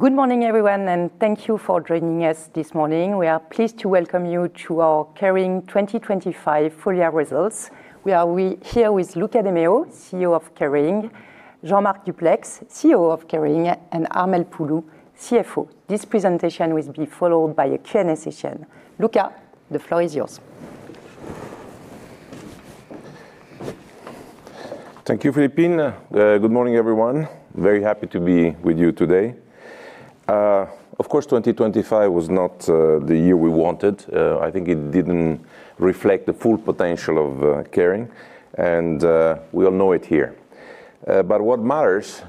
Good morning everyone, and thank you for joining us this morning. We are pleased to welcome you to our Kering 2025 full-year results. We are here with Luca de Meo, CEO of Kering, Jean-Marc Duplaix, CEO of Kering, and Armelle Poulou, CFO. This presentation will be followed by a Q&A session. Luca, the floor is yours. Thank you, Philippine. Good morning everyone. Very happy to be with you today. Of course, 2025 was not the year we wanted. I think it didn't reflect the full potential of Kering, and we all know it here. But what matters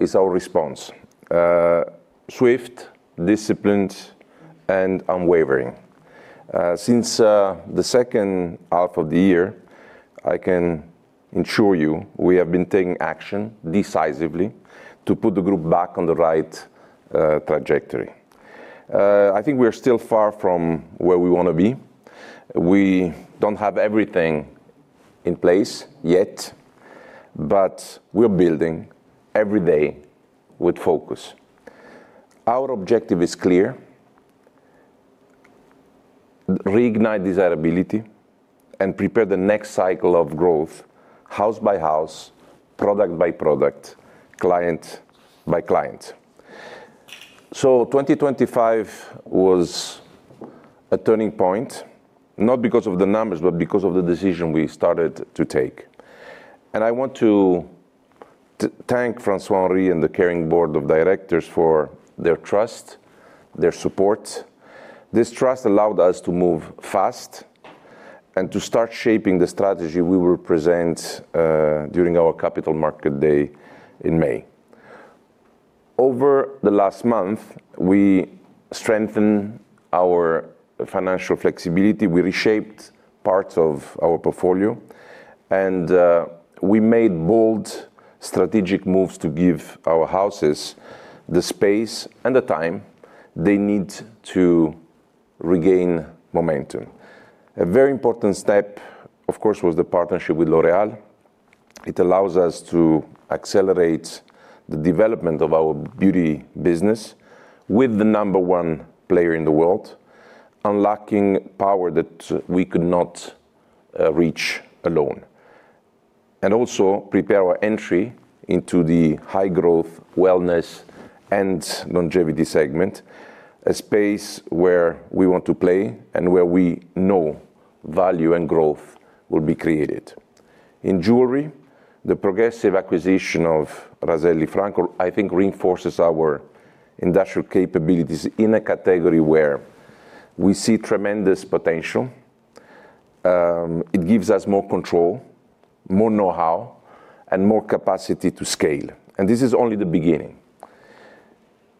is our response: swift, disciplined, and unwavering. Since the second half of the year, I can ensure you we have been taking action decisively to put the group back on the right trajectory. I think we are still far from where we want to be. We don't have everything in place yet, but we are building every day with focus. Our objective is clear: reignite desirability and prepare the next cycle of growth, house by house, product by product, client by client. So 2025 was a turning point, not because of the numbers, but because of the decision we started to take. I want to thank François-Henri and the Kering Board of Directors for their trust, their support. This trust allowed us to move fast and to start shaping the strategy we will present during our Capital Market Day in May. Over the last month, we strengthened our financial flexibility, we reshaped parts of our portfolio, and we made bold strategic moves to give our houses the space and the time they need to regain momentum. A very important step, of course, was the partnership with L'Oréal. It allows us to accelerate the development of our beauty business with the number one player in the world, unlocking power that we could not reach alone. Also prepare our entry into the high-growth wellness and longevity segment, a space where we want to play and where we know value and growth will be created. In jewelry, the progressive acquisition of Raselli Franco, I think, reinforces our industrial capabilities in a category where we see tremendous potential. It gives us more control, more know-how, and more capacity to scale. This is only the beginning.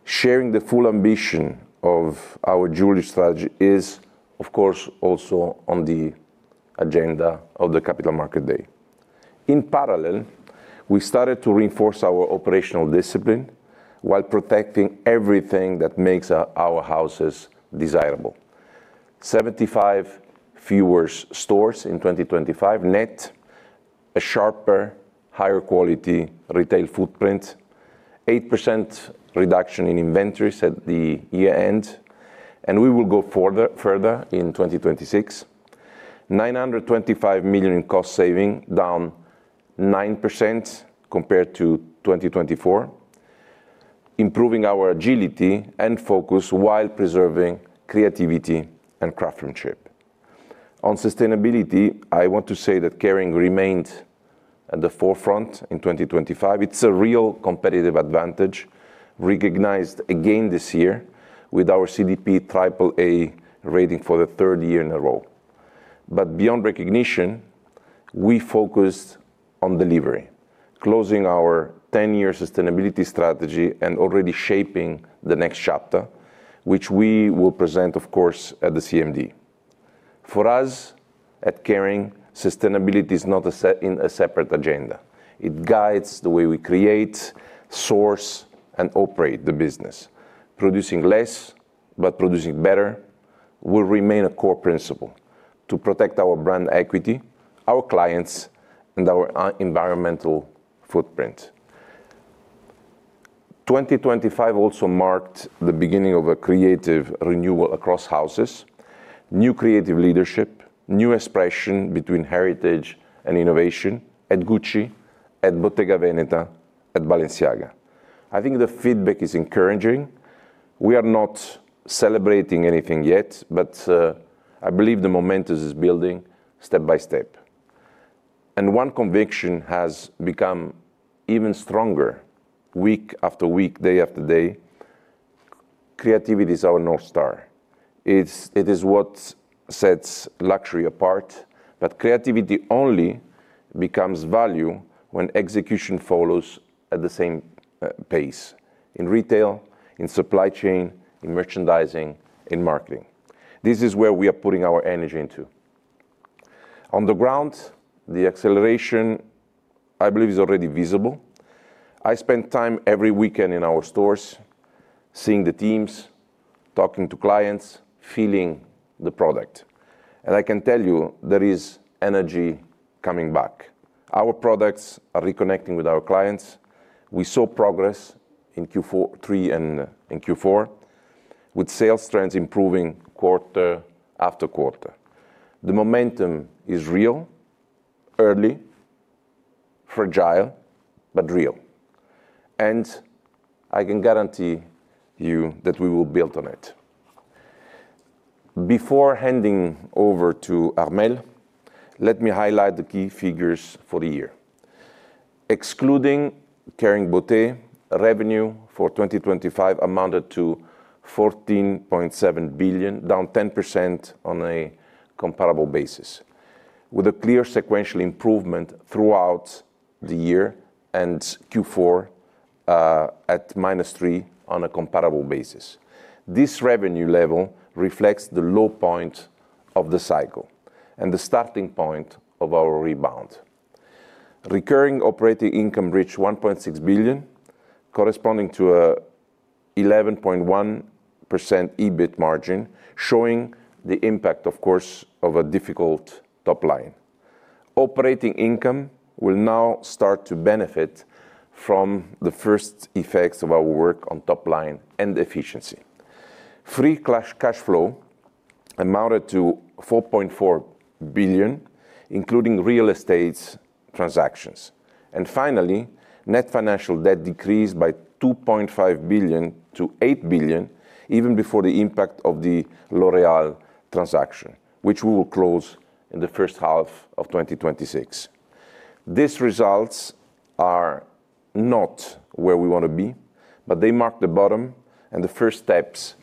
Sharing the full ambition of our jewelry strategy is, of course, also on the agenda of the Capital Markets Day. In parallel, we started to reinforce our operational discipline while protecting everything that makes our houses desirable: 75 fewer stores in 2025 net, a sharper, higher-quality retail footprint, 8% reduction in inventories at the year-end, and we will go further in 2026: 925 million in cost saving, down 9% compared to 2024, improving our agility and focus while preserving creativity and craftsmanship. On sustainability, I want to say that Kering remained at the forefront in 2025. It's a real competitive advantage, recognized again this year with our CDP AAA rating for the third year in a row. But beyond recognition, we focused on delivery, closing our 10-year sustainability strategy and already shaping the next chapter, which we will present, of course, at the CMD. For us at Kering, sustainability is not in a separate agenda. It guides the way we create, source, and operate the business: producing less, but producing better. We'll remain a core principle: to protect our brand equity, our clients, and our environmental footprint. 2025 also marked the beginning of a creative renewal across houses: new creative leadership, new expression between heritage and innovation at Gucci, at Bottega Veneta, at Balenciaga. I think the feedback is encouraging. We are not celebrating anything yet, but I believe the momentum is building, step by step. One conviction has become even stronger, week after week, day after day: creativity is our North Star. It is what sets luxury apart. But creativity only becomes value when execution follows at the same pace: in retail, in supply chain, in merchandising, in marketing. This is where we are putting our energy into. On the ground, the acceleration, I believe, is already visible. I spend time every weekend in our stores seeing the teams, talking to clients, feeling the product. And I can tell you there is energy coming back. Our products are reconnecting with our clients. We saw progress in Q3 and Q4, with sales trends improving quarter after quarter. The momentum is real: early, fragile, but real. And I can guarantee you that we will build on it. Before handing over to Armelle, let me highlight the key figures for the year. Excluding Kering Beauté, revenue for 2025 amounted to 14.7 billion, down 10% on a comparable basis, with a clear sequential improvement throughout the year and Q4 at -3% on a comparable basis. This revenue level reflects the low point of the cycle and the starting point of our rebound. Recurring operating income reached 1.6 billion, corresponding to an 11.1% EBIT margin, showing the impact, of course, of a difficult top line. Operating income will now start to benefit from the first effects of our work on top line and efficiency. Free cash flow amounted to 4.4 billion, including real estate transactions. And finally, net financial debt decreased by 2.5 billion to 8 billion, even before the impact of the L'Oréal transaction, which we will close in the first half of 2026. These results are not where we want to be, but they mark the bottom and the first steps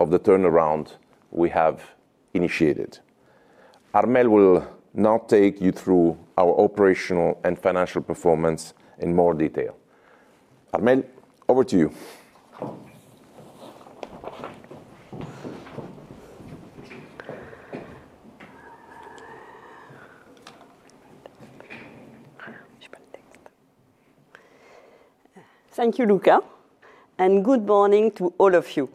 of the turnaround we have initiated. Armelle will now take you through our operational and financial performance in more detail. Armelle, over to you. Thank you, Luca, and good morning to all of you.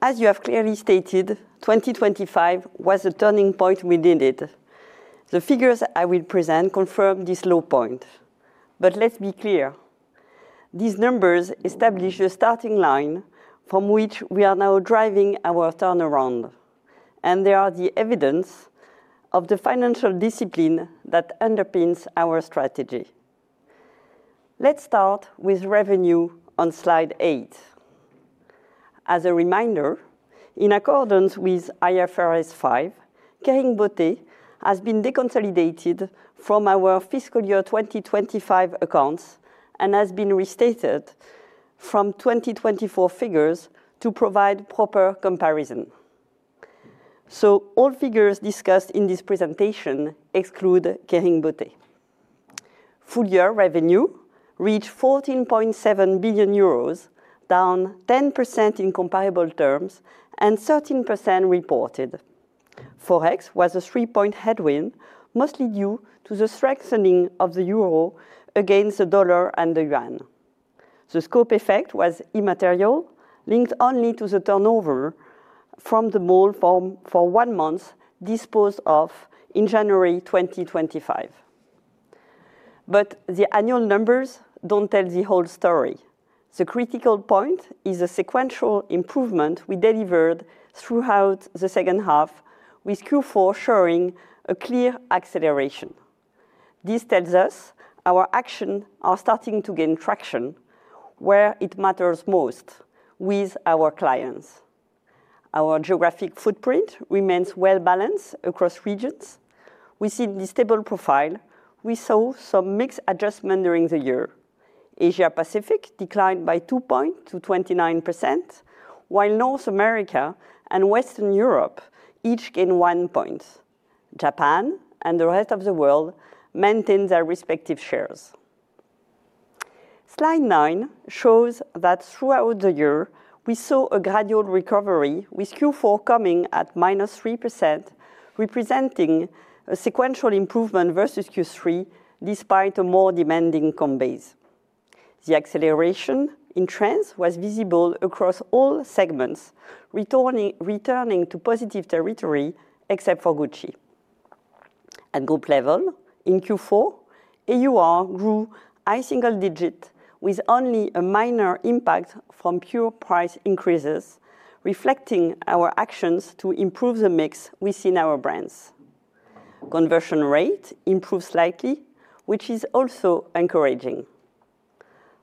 As you have clearly stated, 2025 was a turning point we needed. The figures I will present confirm this low point. Let's be clear: these numbers establish the starting line from which we are now driving our turnaround, and they are the evidence of the financial discipline that underpins our strategy. Let's start with revenue on slide 8. As a reminder, in accordance with IFRS 5, Kering Beauté has been deconsolidated from our fiscal year 2025 accounts and has been restated from 2024 figures to provide proper comparison. So all figures discussed in this presentation exclude Kering Beauté. Full year revenue reached 14.7 billion euros, down 10% in comparable terms and 13% reported. Forex was a 3-point headwind, mostly due to the strengthening of the euro against the dollar and the yuan. The scope effect was immaterial, linked only to the turnover from The Mall for 1 month disposed of in January 2025. But the annual numbers don't tell the whole story. The critical point is the sequential improvement we delivered throughout the second half, with Q4 showing a clear acceleration. This tells us our actions are starting to gain traction where it matters most: with our clients. Our geographic footprint remains well balanced across regions. We see the stable profile. We saw some mixed adjustment during the year: Asia-Pacific declined by 2.0 to 29%, while North America and Western Europe each gained 1 point. Japan and the rest of the world maintain their respective shares. Slide 9 shows that throughout the year, we saw a gradual recovery, with Q4 coming at -3%, representing a sequential improvement versus Q3 despite a more demanding [compensation. The acceleration in trends was visible across all segments, returning to positive territory except for Gucci. At group level, in Q4, AUR grew a single digit, with only a minor impact from pure price increases, reflecting our actions to improve the mix we see in our brands. Conversion rate improved slightly, which is also encouraging.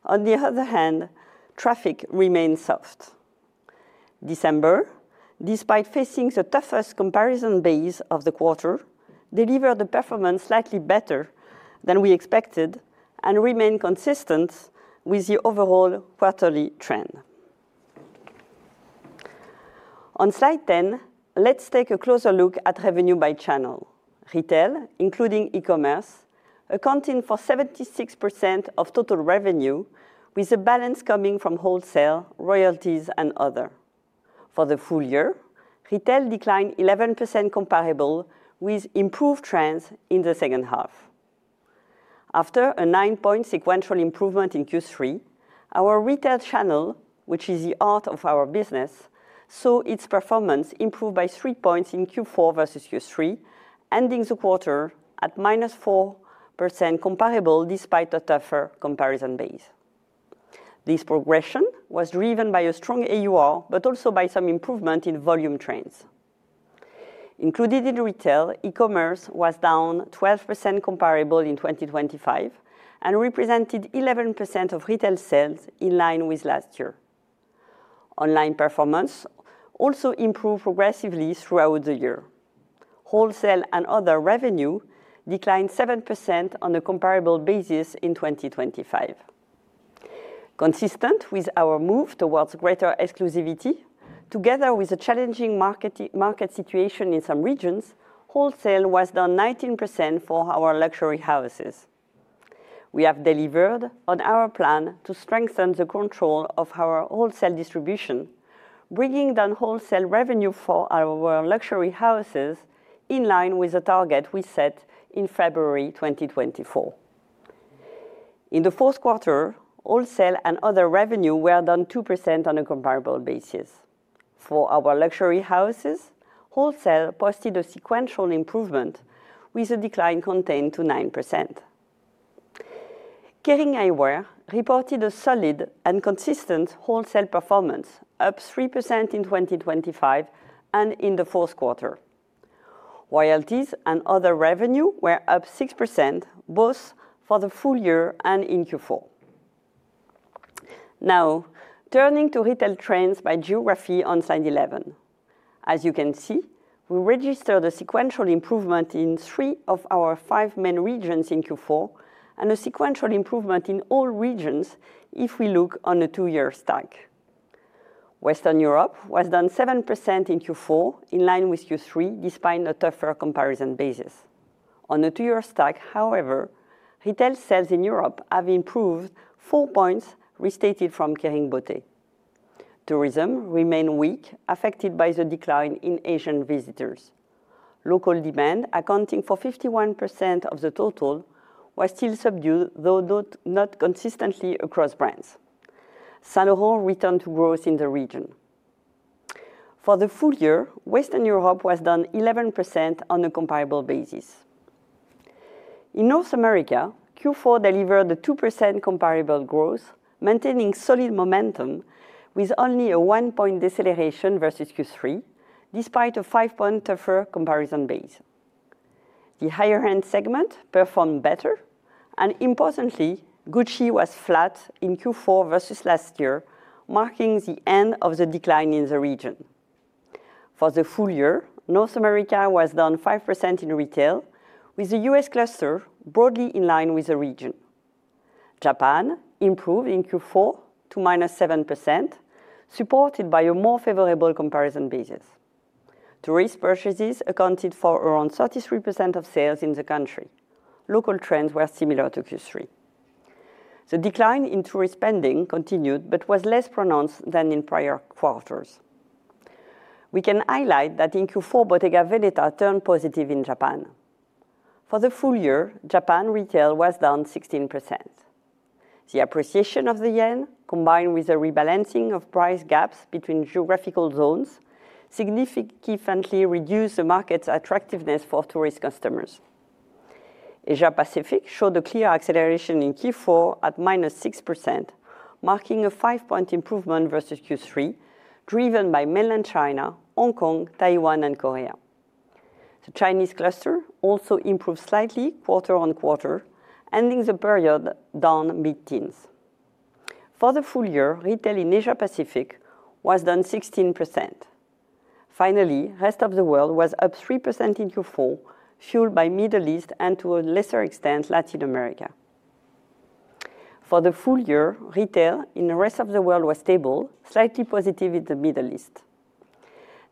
On the other hand, traffic remained soft. December, despite facing the toughest comparison base of the quarter, delivered a performance slightly better than we expected and remained consistent with the overall quarterly trend. On slide 10, let's take a closer look at revenue by channel: retail, including e-commerce, accounting for 76% of total revenue, with a balance coming from wholesale, royalties, and others. For the full year, retail declined 11% comparable, with improved trends in the second half. After a 9-point sequential improvement in Q3, our retail channel, which is the heart of our business, saw its performance improve by 3 points in Q4 versus Q3, ending the quarter at -4% comparable despite a tougher comparison base. This progression was driven by a strong AUR but also by some improvement in volume trends. Included in retail, e-commerce was down 12% comparable in 2025 and represented 11% of retail sales in line with last year. Online performance also improved progressively throughout the year. Wholesale and other revenue declined 7% on a comparable basis in 2025. Consistent with our move towards greater exclusivity, together with a challenging market situation in some regions, wholesale was down 19% for our luxury houses. We have delivered on our plan to strengthen the control of our wholesale distribution, bringing down wholesale revenue for our luxury houses in line with a target we set in February 2024. In the fourth quarter, wholesale and other revenue were down 2% on a comparable basis. For our luxury houses, wholesale posted a sequential improvement, with a decline contained to 9%. Kering Eyewear reported a solid and consistent wholesale performance, up 3% in 2025 and in the fourth quarter. Royalties and other revenue were up 6%, both for the full year and in Q4. Now, turning to retail trends by geography on slide 11. As you can see, we registered a sequential improvement in three of our five main regions in Q4 and a sequential improvement in all regions if we look on the two-year stack. Western Europe was down 7% in Q4, in line with Q3, despite a tougher comparison basis. On the two-year stack, however, retail sales in Europe have improved four points, restated from Kering Beauté. Tourism remained weak, affected by the decline in Asian visitors. Local demand, accounting for 51% of the total, was still subdued, though not consistently across brands. Saint Laurent returned to growth in the region. For the full year, Western Europe was down 11% on a comparable basis. In North America, Q4 delivered a 2% comparable growth, maintaining solid momentum, with only a one-point deceleration versus Q3, despite a five-point tougher comparison base. The higher-end segment performed better. And importantly, Gucci was flat in Q4 versus last year, marking the end of the decline in the region. For the full year, North America was down 5% in retail, with the U.S. cluster broadly in line with the region. Japan improved in Q4 to -7%, supported by a more favorable comparison basis. Tourist purchases accounted for around 33% of sales in the country. Local trends were similar to Q3. The decline in tourist spending continued but was less pronounced than in prior quarters. We can highlight that in Q4, Bottega Veneta turned positive in Japan. For the full year, Japan retail was down 16%. The appreciation of the yen, combined with the rebalancing of price gaps between geographical zones, significantly reduced the market's attractiveness for tourist customers. Asia-Pacific showed a clear acceleration in Q4 at -6%, marking a five-point improvement versus Q3, driven by mainland China, Hong Kong, Taiwan, and Korea. The Chinese cluster also improved slightly quarter-over-quarter, ending the period down mid-teens. For the full year, retail in Asia-Pacific was down 16%. Finally, the rest of the world was up 3% in Q4, fueled by the Middle East and, to a lesser extent, Latin America. For the full year, retail in the rest of the world was stable, slightly positive in the Middle East.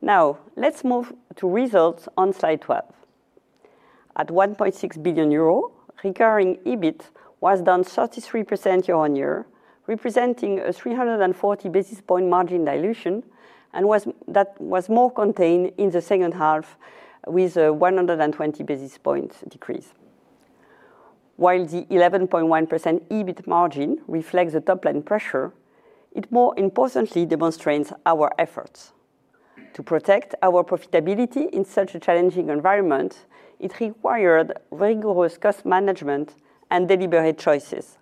Now, let's move to results on slide 12. At 1.6 billion euros, recurring EBIT was down 33% year-on-year, representing a 340 basis point margin dilution, and that was more contained in the second half with a 120 basis point decrease. While the 11.1% EBIT margin reflects the top line pressure, it more importantly demonstrates our efforts. To protect our profitability in such a challenging environment, it required rigorous cost management and deliberate choices.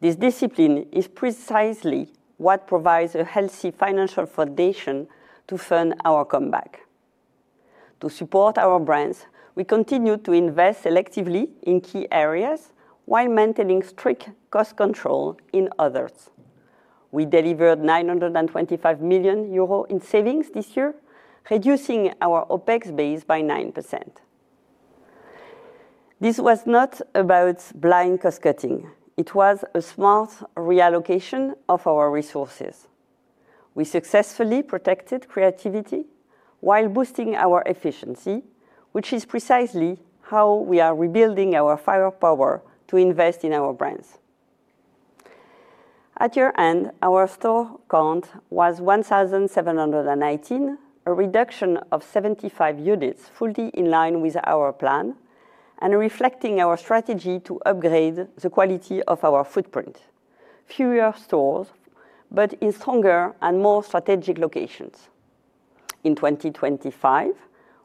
This discipline is precisely what provides a healthy financial foundation to fund our comeback. To support our brands, we continue to invest selectively in key areas while maintaining strict cost control in others. We delivered 925 million euros in savings this year, reducing our OPEX base by 9%. This was not about blind cost-cutting. It was a smart reallocation of our resources. We successfully protected creativity while boosting our efficiency, which is precisely how we are rebuilding our firepower to invest in our brands. At year-end, our store count was 1,719, a reduction of 75 units fully in line with our plan and reflecting our strategy to upgrade the quality of our footprint: fewer stores but in stronger and more strategic locations. In 2025,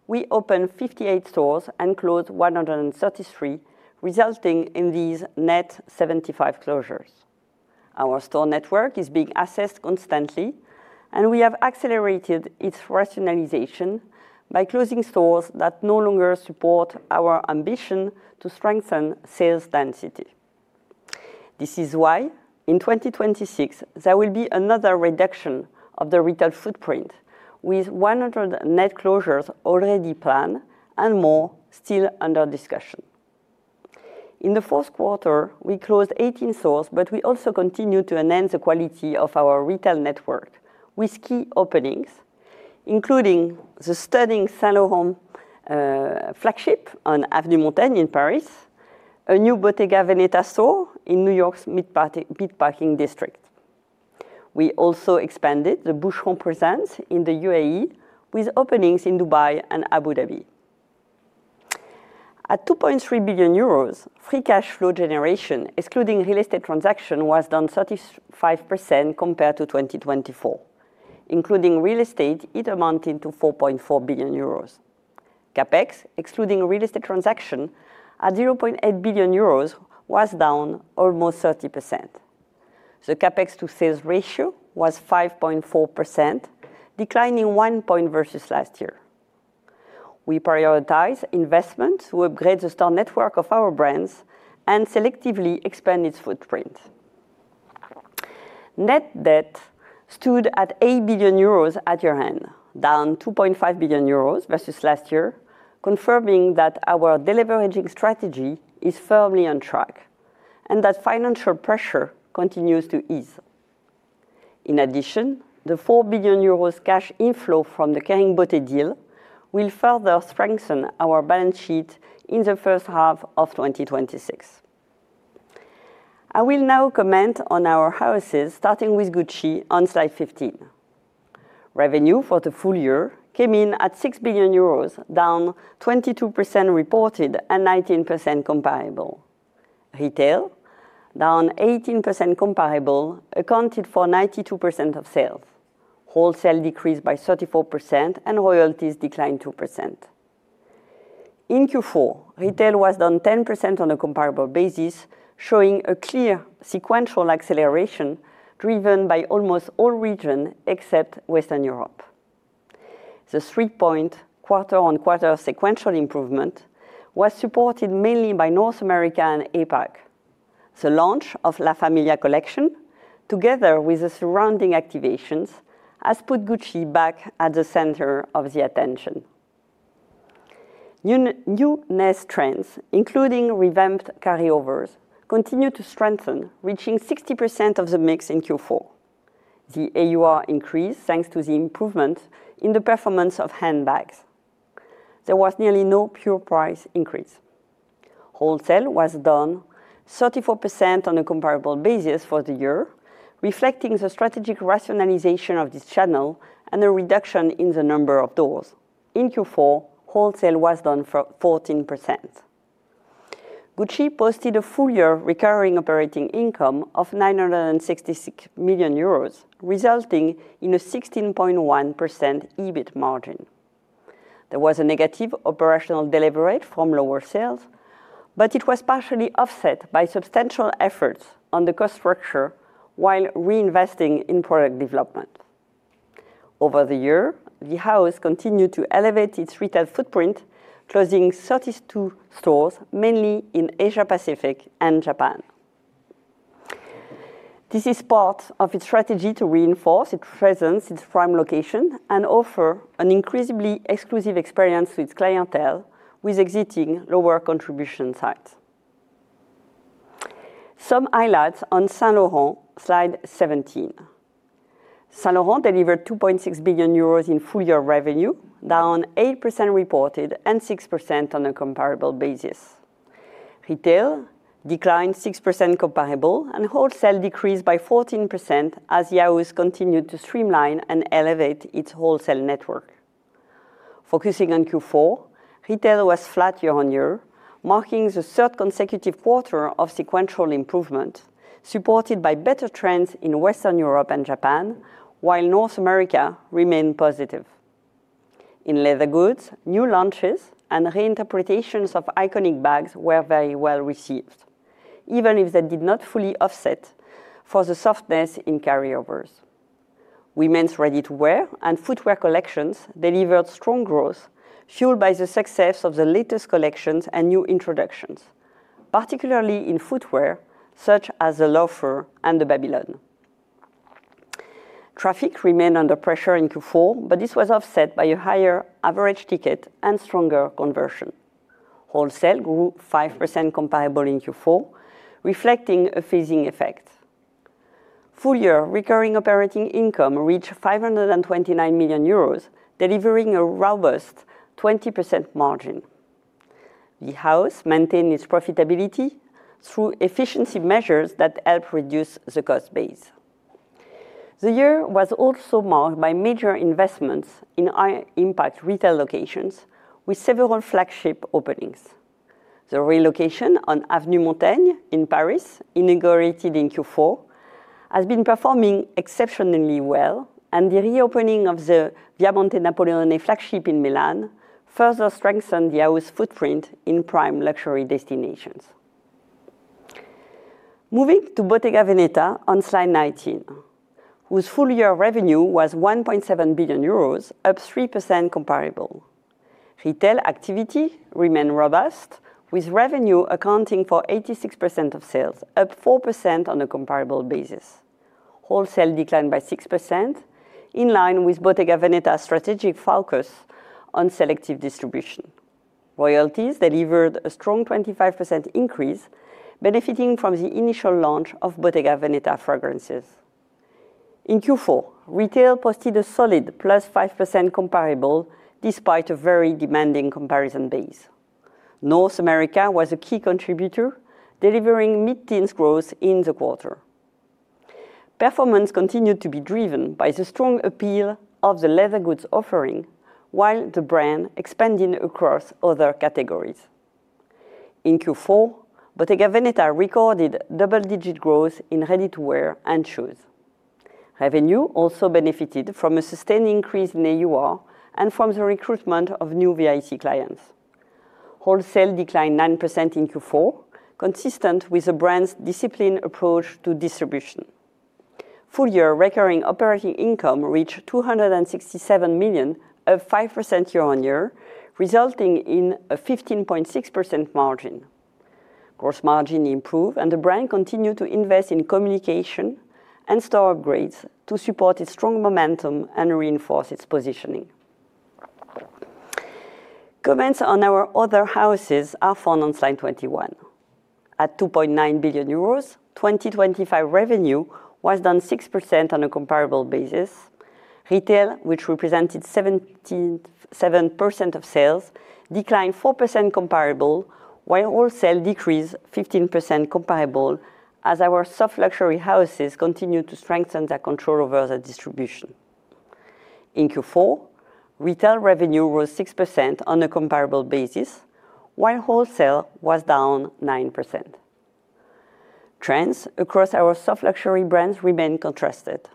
we opened 58 stores and closed 133, resulting in these net 75 closures. Our store network is being assessed constantly, and we have accelerated its rationalization by closing stores that no longer support our ambition to strengthen sales density. This is why, in 2026, there will be another reduction of the retail footprint, with 100 net closures already planned and more still under discussion. In the fourth quarter, we closed 18 stores, but we also continue to enhance the quality of our retail network with key openings, including the stunning Saint Laurent flagship on Avenue Montaigne in Paris, a new Bottega Veneta store in New York's Meatpacking District. We also expanded the Boucheron presence in the UAE with openings in Dubai and Abu Dhabi. At 2.3 billion euros, free cash flow generation, excluding real estate transactions, was down 35% compared to 2024; including real estate, it amounted to 4.4 billion euros. Capex, excluding real estate transactions, at 0.8 billion euros, was down almost 30%. The Capex-to-sales ratio was 5.4%, declining one point versus last year. We prioritize investments to upgrade the store network of our brands and selectively expand its footprint. Net debt stood at 8 billion euros at year-end, down 2.5 billion euros versus last year, confirming that our deleveraging strategy is firmly on track and that financial pressure continues to ease. In addition, the 4 billion euros cash inflow from the Kering Beauté deal will further strengthen our balance sheet in the first half of 2026. I will now comment on our houses, starting with Gucci on slide 15. Revenue for the full year came in at 6 billion euros, down 22% reported and 19% comparable. Retail, down 18% comparable, accounted for 92% of sales, wholesale decreased by 34%, and royalties declined 2%. In Q4, retail was down 10% on a comparable basis, showing a clear sequential acceleration driven by almost all regions except Western Europe. The three-point, quarter-on-quarter sequential improvement was supported mainly by North America and APAC. The launch of La Famiglia collection, together with the surrounding activations, has put Gucci back at the center of the attention. Newness trends, including revamped carryovers, continue to strengthen, reaching 60% of the mix in Q4. The AUR increased thanks to the improvement in the performance of handbags. There was nearly no pure price increase. Wholesale was down 34% on a comparable basis for the year, reflecting the strategic rationalization of this channel and a reduction in the number of doors. In Q4, wholesale was down 14%. Gucci posted a full-year recurring operating income of 966 million euros, resulting in a 16.1% EBIT margin. There was a negative operational delivery from lower sales, but it was partially offset by substantial efforts on the cost structure while reinvesting in product development. Over the year, the house continued to elevate its retail footprint, closing 32 stores mainly in Asia-Pacific and Japan. This is part of its strategy to reinforce its presence, its prime location, and offer an increasingly exclusive experience to its clientele with exiting lower contribution sites. Some highlights on Saint Laurent, slide 17. Saint Laurent delivered 2.6 billion euros in full-year revenue, down 8% reported and 6% on a comparable basis. Retail declined 6% comparable and wholesale decreased by 14% as the house continued to streamline and elevate its wholesale network. Focusing on Q4, retail was flat year-on-year, marking the third consecutive quarter of sequential improvement, supported by better trends in Western Europe and Japan, while North America remained positive. In leather goods, new launches and reinterpretations of iconic bags were very well received, even if that did not fully offset for the softness in carryovers. Women's ready-to-wear and footwear collections delivered strong growth, fueled by the success of the latest collections and new introductions, particularly in footwear such as the Le Loafer and the Babylone. Traffic remained under pressure in Q4, but this was offset by a higher average ticket and stronger conversion. Wholesale grew 5% comparable in Q4, reflecting a phasing effect. Full-year recurring operating income reached 529 million euros, delivering a robust 20% margin. The house maintained its profitability through efficiency measures that helped reduce the cost base. The year was also marked by major investments in high-impact retail locations, with several flagship openings. The relocation on Avenue Montaigne in Paris, inaugurated in Q4, has been performing exceptionally well, and the reopening of the Via Monte Napoleone flagship in Milan further strengthened the house's footprint in prime luxury destinations. Moving to Bottega Veneta on slide 19, whose full-year revenue was 1.7 billion euros, up 3% comparable. Retail activity remained robust, with revenue accounting for 86% of sales, up 4% on a comparable basis. Wholesale declined by 6%, in line with Bottega Veneta's strategic focus on selective distribution. Royalties delivered a strong 25% increase, benefiting from the initial launch of Bottega Veneta fragrances. In Q4, retail posted a solid +5% comparable, despite a very demanding comparison base. North America was a key contributor, delivering mid-teens growth in the quarter. Performance continued to be driven by the strong appeal of the leather goods offering, while the brand expanded across other categories. In Q4, Bottega Veneta recorded double-digit growth in ready-to-wear and shoes. Revenue also benefited from a sustained increase in AUR and from the recruitment of new VIP clients. Wholesale declined 9% in Q4, consistent with the brand's disciplined approach to distribution. Full-year recurring operating income reached 267 million, up 5% year-on-year, resulting in a 15.6% margin. Gross margin improved, and the brand continued to invest in communication and store upgrades to support its strong momentum and reinforce its positioning. Comments on our other houses are found on slide 21. At 2.9 billion euros, 2025 revenue was down 6% on a comparable basis. Retail, which represented 7% of sales, declined 4% comparable, while wholesale decreased 15% comparable as our soft luxury houses continued to strengthen their control over the distribution. In Q4, retail revenue rose 6% on a comparable basis, while wholesale was down 9%. Trends across our soft luxury brands remain contrasted.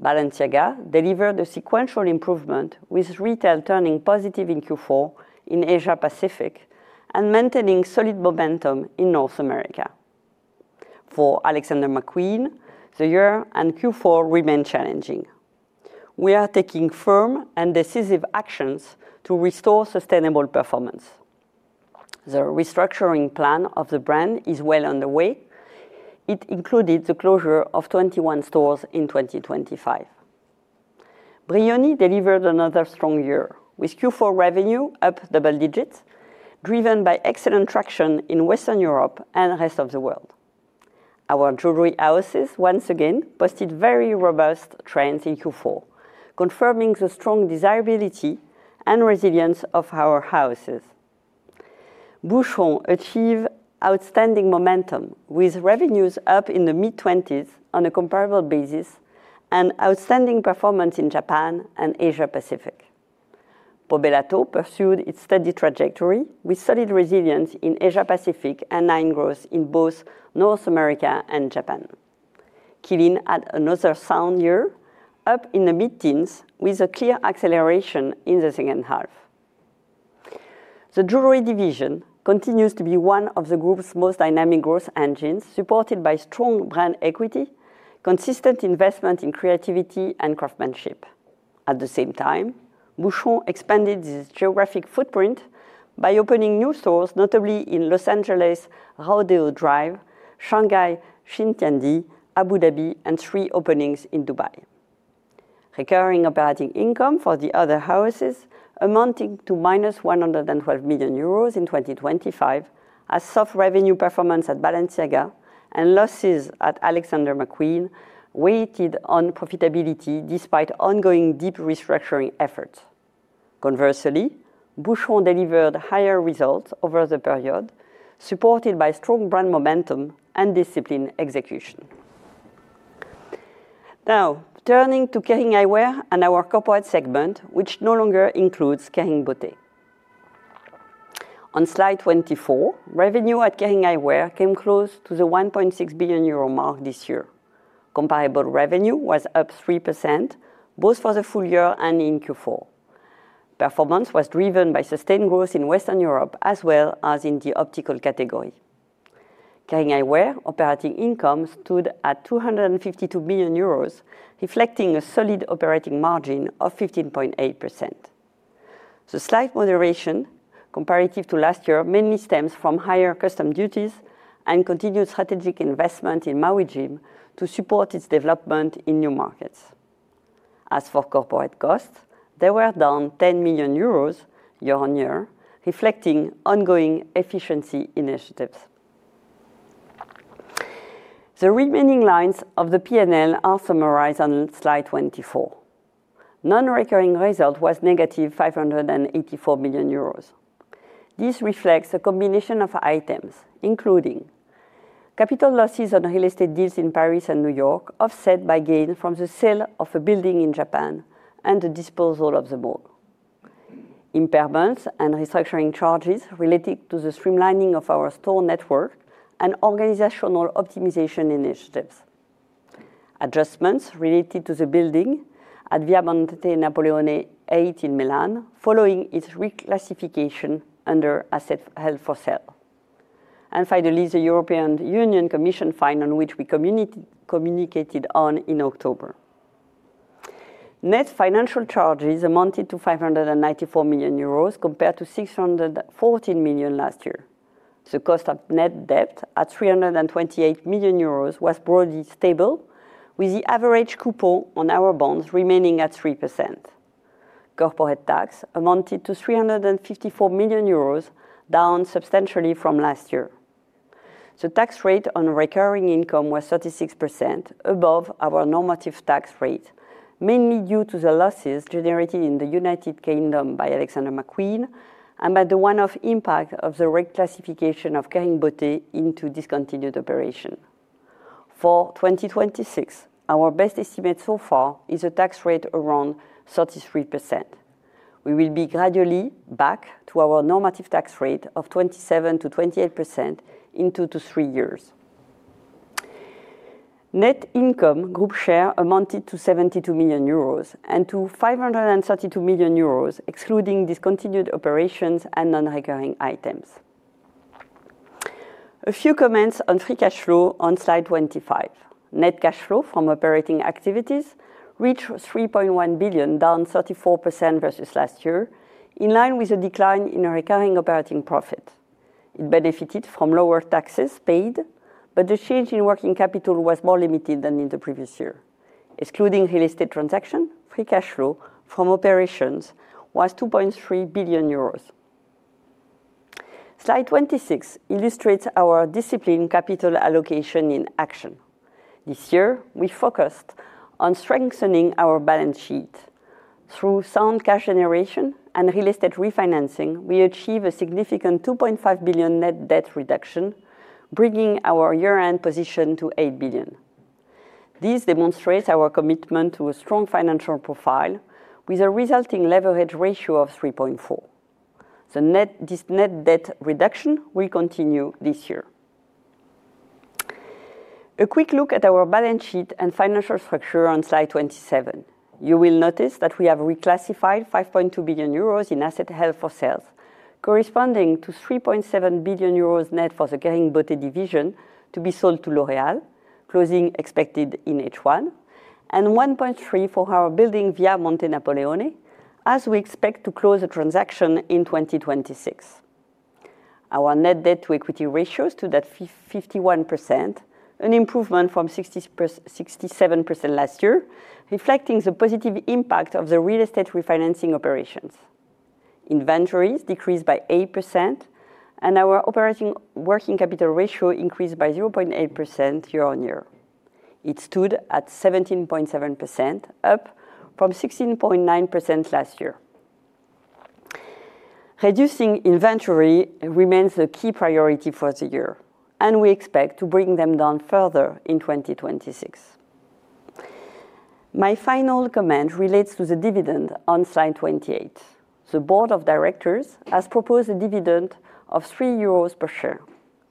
Balenciaga delivered a sequential improvement, with retail turning positive in Q4 in Asia-Pacific and maintaining solid momentum in North America. For Alexander McQueen, the year and Q4 remain challenging. We are taking firm and decisive actions to restore sustainable performance. The restructuring plan of the brand is well underway. It included the closure of 21 stores in 2025. Brioni delivered another strong year, with Q4 revenue up double digits, driven by excellent traction in Western Europe and the rest of the world. Our jewelry houses, once again, posted very robust trends in Q4, confirming the strong desirability and resilience of our houses. Boucheron achieved outstanding momentum, with revenues up in the mid-20s on a comparable basis and outstanding performance in Japan and Asia-Pacific. Pomellato pursued its steady trajectory, with solid resilience in Asia-Pacific and high growth in both North America and Japan. Qeelin had another sound year, up in the mid-teens with a clear acceleration in the second half. The jewelry division continues to be one of the group's most dynamic growth engines, supported by strong brand equity, consistent investment in creativity, and craftsmanship. At the same time, Boucheron expanded its geographic footprint by opening new stores, notably in Rodeo Drive, Los Angeles, Shanghai Xintiandi, Abu Dhabi, and three openings in Dubai. Recurring operating income for the other houses, amounting to -112 million euros in 2025, as soft revenue performance at Balenciaga and losses at Alexander McQueen weighed on profitability despite ongoing deep restructuring efforts. Conversely, Boucheron delivered higher results over the period, supported by strong brand momentum and disciplined execution. Now, turning to Kering Eyewear and our corporate segment, which no longer includes Kering Beauté. On slide 24, revenue at Kering Eyewear came close to the 1.6 billion euro mark this year. Comparable revenue was up 3%, both for the full year and in Q4. Performance was driven by sustained growth in Western Europe as well as in the optical category. Kering Eyewear operating income stood at 252 million euros, reflecting a solid operating margin of 15.8%. The slight moderation, comparative to last year, mainly stems from higher customs duties and continued strategic investment in Maui Jim to support its development in new markets. As for corporate costs, they were down 10 million euros year-over-year, reflecting ongoing efficiency initiatives. The remaining lines of the P&L are summarized on slide 24. Non-recurring result was -584 million euros. This reflects a combination of items, including capital losses on real estate deals in Paris and New York, offset by gains from the sale of a building in Japan and the disposal of The Mall. Impairment and restructuring charges related to the streamlining of our store network and organizational optimization initiatives. Adjustments related to the building at Via Monte Napoleone 8 in Milan, following its reclassification under Asset Held for Sale. And finally, the European Union Commission fine, on which we communicated in October. Net financial charges amounted to 594 million euros compared to 614 million last year. The cost of net debt at 328 million euros was broadly stable, with the average coupon on our bonds remaining at 3%. Corporate tax amounted to 354 million euros, down substantially from last year. The tax rate on recurring income was 36%, above our normative tax rate, mainly due to the losses generated in the United Kingdom by Alexander McQueen and by the one-off impact of the reclassification of Kering Beauté into discontinued operation. For 2026, our best estimate so far is a tax rate around 33%. We will be gradually back to our normative tax rate of 27%-28% in two to three years. Net income, Group share amounted to 72 million euros and to 532 million euros, excluding discontinued operations and non-recurring items. A few comments on free cash flow on slide 25. Net cash flow from operating activities reached 3.1 billion, down 34% versus last year, in line with a decline in recurring operating profit. It benefited from lower taxes paid, but the change in working capital was more limited than in the previous year. Excluding real estate transaction, free cash flow from operations was 2.3 billion euros. Slide 26 illustrates our disciplined capital allocation in action. This year, we focused on strengthening our balance sheet. Through sound cash generation and real estate refinancing, we achieved a significant 2.5 billion net debt reduction, bringing our year-end position to 8 billion. This demonstrates our commitment to a strong financial profile, with a resulting leverage ratio of 3.4. This net debt reduction will continue this year. A quick look at our balance sheet and financial structure on slide 27. You will notice that we have reclassified 5.2 billion euros in assets held for sale, corresponding to 3.7 billion euros net for the Kering Beauté division to be sold to L'Oréal, closing expected in H1, and 1.3 billion for our building Via Monte Napoleone, as we expect to close a transaction in 2026. Our net debt-to-equity ratio stood at 51%, an improvement from 67% last year, reflecting the positive impact of the real estate refinancing operations. Inventories decreased by 8%, and our working capital ratio increased by 0.8% year-over-year. It stood at 17.7%, up from 16.9% last year. Reducing inventory remains the key priority for the year, and we expect to bring them down further in 2026. My final comment relates to the dividend on slide 28. The board of directors has proposed a dividend of 3 euros per share.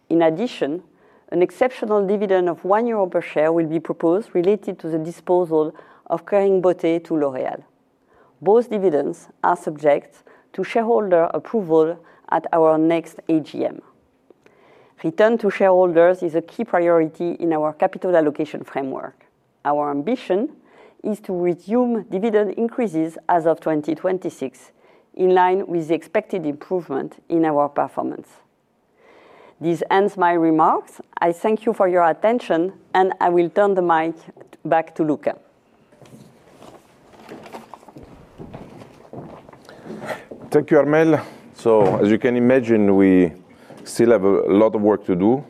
In addition, an exceptional dividend of 1 euro per share will be proposed related to the disposal of Kering Beauté to L'Oréal. Both dividends are subject to shareholder approval at our next AGM. Return to shareholders is a key priority in our capital allocation framework. Our ambition is to resume dividend increases as of 2026, in line with the expected improvement in our performance. This ends my remarks. I thank you for your attention, and I will turn the mic back to Luca. Thank you, Armelle. So, as you can imagine, we still have a lot of work to do.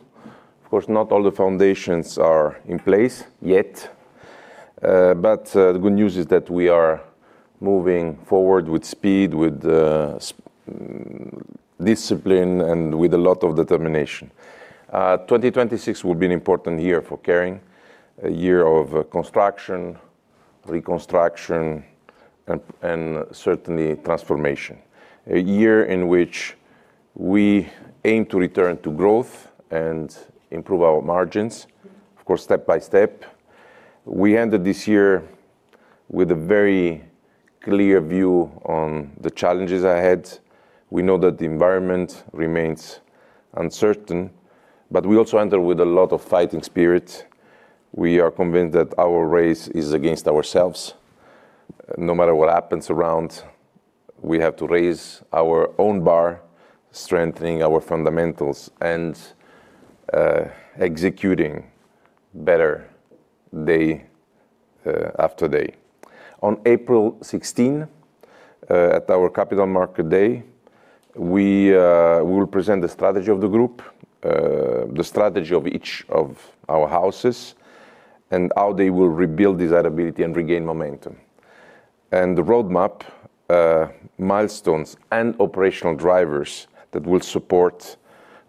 Of course, not all the foundations are in place yet. But the good news is that we are moving forward with speed, with discipline, and with a lot of determination. 2026 will be an important year for Kering, a year of construction, reconstruction, and certainly transformation. A year in which we aim to return to growth and improve our margins, of course, step by step. We entered this year with a very clear view on the challenges ahead. We know that the environment remains uncertain, but we also enter with a lot of fighting spirit. We are convinced that our race is against ourselves. No matter what happens around, we have to raise our own bar, strengthening our fundamentals and executing better day after day. On April 16, at our Capital Markets Day, we will present the strategy of the group, the strategy of each of our houses, and how they will rebuild desirability and regain momentum. The roadmap, milestones, and operational drivers that will support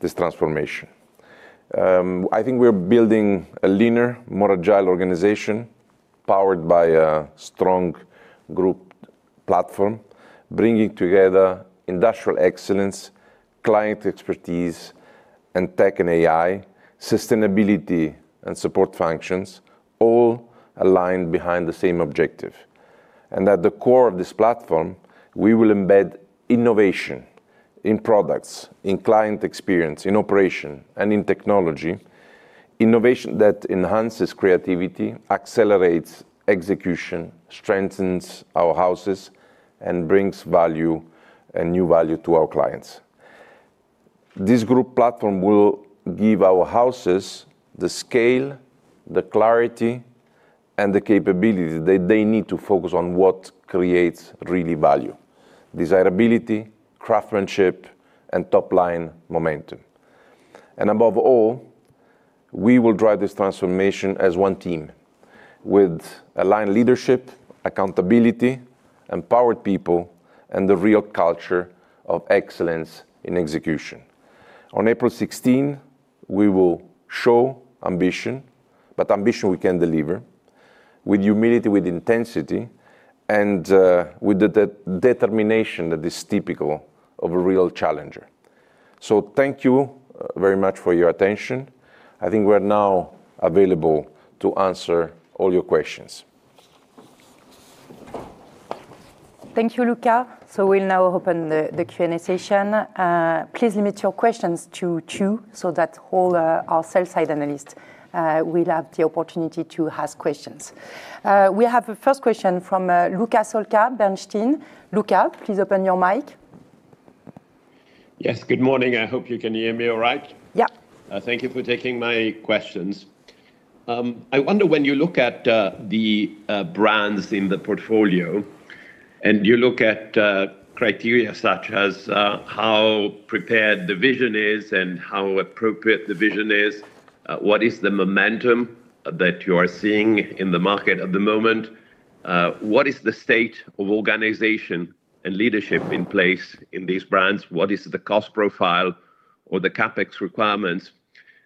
this transformation. I think we are building a leaner, more agile organization powered by a strong group platform, bringing together industrial excellence, client expertise, and tech and AI, sustainability, and support functions, all aligned behind the same objective. At the core of this platform, we will embed innovation in products, in client experience, in operation, and in technology, innovation that enhances creativity, accelerates execution, strengthens our houses, and brings value, new value, to our clients. This group platform will give our houses the scale, the clarity, and the capability that they need to focus on what creates real value: desirability, craftsmanship, and top-line momentum. Above all, we will drive this transformation as one team, with aligned leadership, accountability, empowered people, and the real culture of excellence in execution. On April 16, we will show ambition, but ambition we can deliver, with humility, with intensity, and with the determination that is typical of a real challenger. Thank you very much for your attention. I think we are now available to answer all your questions. Thank you, Luca. So, we'll now open the Q&A session. Please limit your questions to two so that all our sell-side analysts will have the opportunity to ask questions. We have a first question from Luca Solca, Bernstein. Luca, please open your mic. Yes, good morning. I hope you can hear me all right. Yeah. Thank you for taking my questions. I wonder, when you look at the brands in the portfolio and you look at criteria such as how prepared the vision is and how appropriate the vision is, what is the momentum that you are seeing in the market at the moment? What is the state of organization and leadership in place in these brands? What is the cost profile or the CapEx requirements?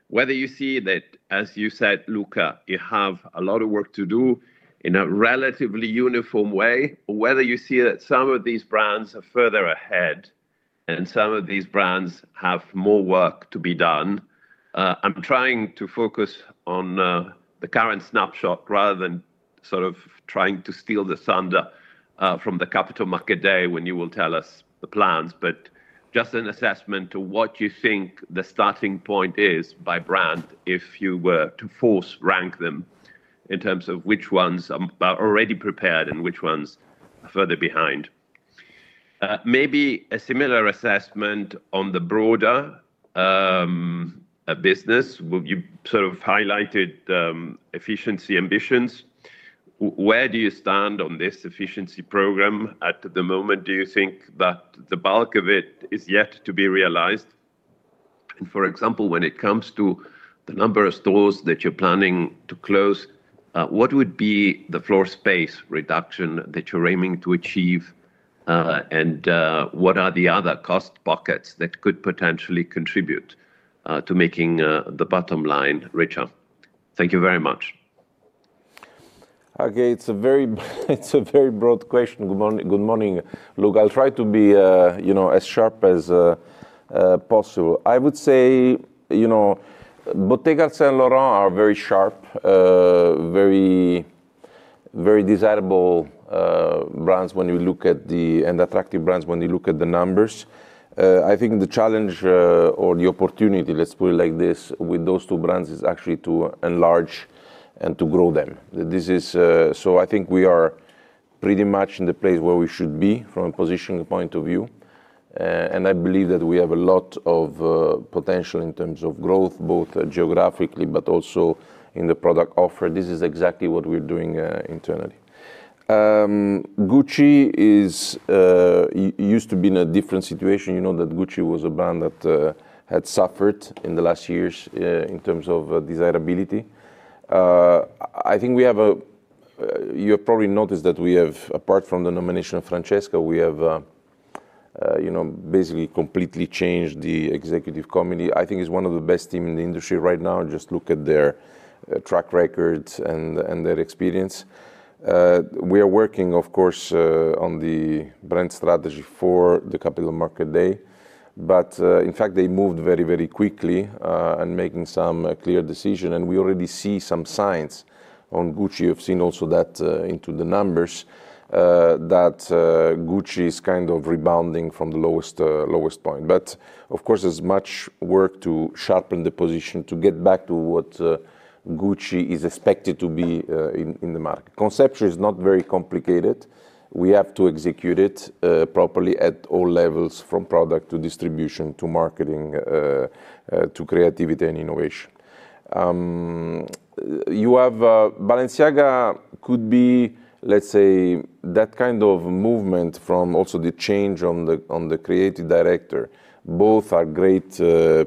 Whether you see that, as you said, Luca, you have a lot of work to do in a relatively uniform way, or whether you see that some of these brands are further ahead and some of these brands have more work to be done, I'm trying to focus on the current snapshot rather than sort of trying to steal the thunder from the Capital Markets Day when you will tell us the plans, but just an assessment of what you think the starting point is by brand if you were to force-rank them in terms of which ones are already prepared and which ones are further behind. Maybe a similar assessment on the broader business. You sort of highlighted efficiency ambitions. Where do you stand on this efficiency program at the moment? Do you think that the bulk of it is yet to be realized? For example, when it comes to the number of stores that you're planning to close, what would be the floor space reduction that you're aiming to achieve, and what are the other cost pockets that could potentially contribute to making the bottom line richer? Thank you very much. Okay, it's a very broad question. Good morning, Luca. I'll try to be as sharp as possible. I would say Bottega and Laurent are very sharp, very desirable, and attractive brands when you look at the numbers. I think the challenge or the opportunity, let's put it like this, with those two brands is actually to enlarge and to grow them. So, I think we are pretty much in the place where we should be from a positioning point of view. And I believe that we have a lot of potential in terms of growth, both geographically but also in the product offer. This is exactly what we're doing internally. Gucci used to be in a different situation. You know that Gucci was a brand that had suffered in the last years in terms of desirability. I think you have probably noticed that we have, apart from the nomination of Francesca, we have basically completely changed the Executive Committee. I think it's one of the best teams in the industry right now. Just look at their track records and their experience. We are working, of course, on the brand strategy for the Capital Markets Day. But, in fact, they moved very, very quickly and making some clear decisions. And we already see some signs on Gucci. You have seen also that into the numbers, that Gucci is kind of rebounding from the lowest point. But, of course, there's much work to sharpen the position, to get back to what Gucci is expected to be in the market. Concept is not very complicated. We have to execute it properly at all levels, from product to distribution to marketing to creativity and innovation. Balenciaga could be, let's say, that kind of movement from also the change on the creative director. Both are great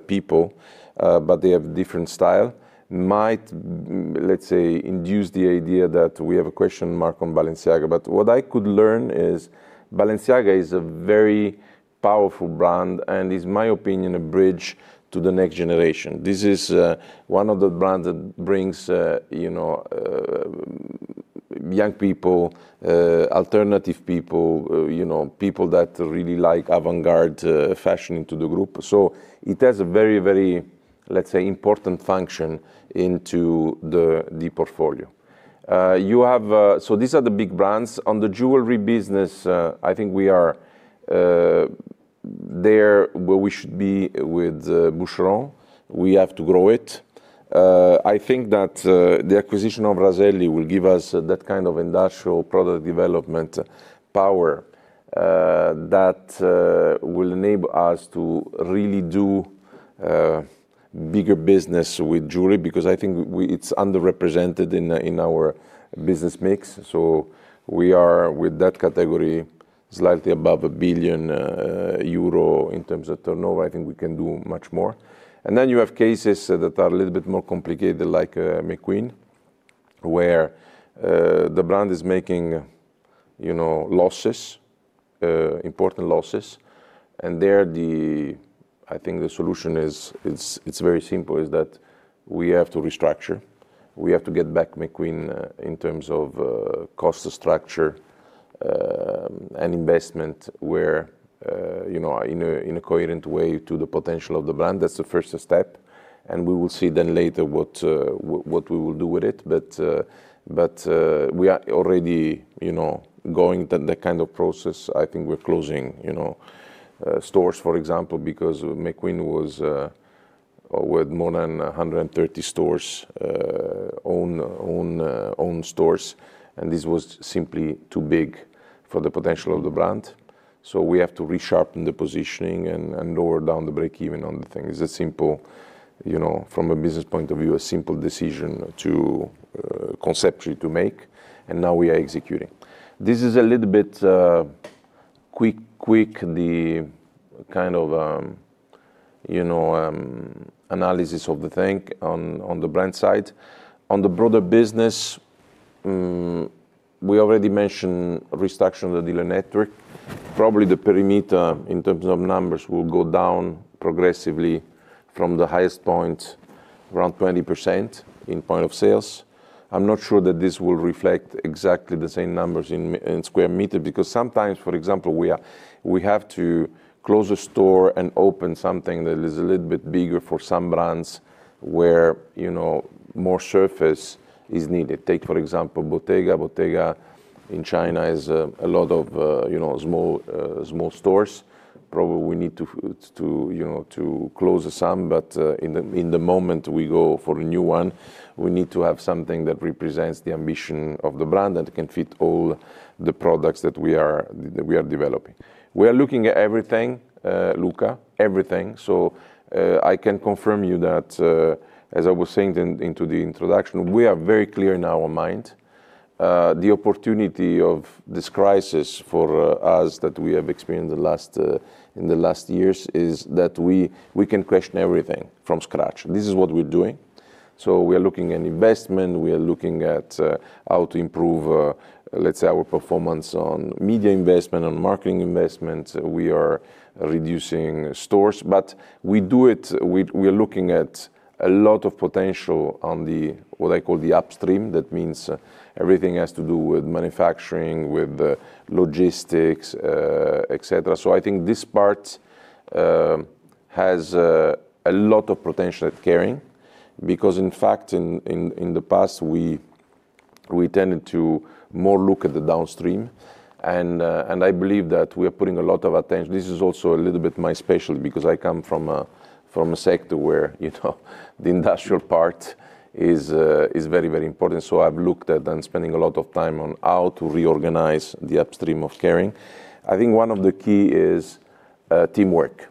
people, but they have different styles. Might, let's say, induce the idea that we have a question mark on Balenciaga. But what I could learn is Balenciaga is a very powerful brand and is, in my opinion, a bridge to the next generation. This is one of the brands that brings young people, alternative people, people that really like avant-garde fashion into the group. So, it has a very, very, let's say, important function into the portfolio. So, these are the big brands. On the jewelry business, I think we are there where we should be with Boucheron. We have to grow it. I think that the acquisition of Raselli will give us that kind of industrial product development power that will enable us to really do bigger business with jewelry because I think it's underrepresented in our business mix. So, we are, with that category, slightly above 1 billion euro in terms of turnover. I think we can do much more. And then you have cases that are a little bit more complicated, like McQueen, where the brand is making losses, important losses. And there, I think the solution is very simple: we have to restructure. We have to get back McQueen in terms of cost structure and investment in a coherent way to the potential of the brand. That's the first step. And we will see then later what we will do with it. But we are already going that kind of process. I think we're closing stores, for example, because McQueen was with more than 130 stores, own stores. This was simply too big for the potential of the brand. We have to resharpen the positioning and lower down the break-even on the thing. It's a simple, from a business point of view, a simple decision conceptually to make. Now we are executing. This is a little bit quick, the kind of analysis of the thing on the brand side. On the broader business, we already mentioned restructuring the dealer network. Probably the perimeter, in terms of numbers, will go down progressively from the highest point, around 20% in points of sale. I'm not sure that this will reflect exactly the same numbers in square meter because sometimes, for example, we have to close a store and open something that is a little bit bigger for some brands where more surface is needed. Take, for example, Bottega. Bottega in China has a lot of small stores. Probably we need to close some. But in the moment, we go for a new one. We need to have something that represents the ambition of the brand and can fit all the products that we are developing. We are looking at everything, Luca, everything. So, I can confirm you that, as I was saying into the introduction, we are very clear in our mind. The opportunity of this crisis for us that we have experienced in the last years is that we can question everything from scratch. This is what we're doing. We are looking at investment. We are looking at how to improve, let's say, our performance on media investment, on marketing investment. We are reducing stores. But we do it. We are looking at a lot of potential on what I call the upstream. That means everything has to do with manufacturing, with logistics, etc. So, I think this part has a lot of potential at Kering because, in fact, in the past, we tended to more look at the downstream. And I believe that we are putting a lot of attention. This is also a little bit my specialty because I come from a sector where the industrial part is very, very important. So, I've looked at and spending a lot of time on how to reorganize the upstream of Kering. I think one of the keys is teamwork.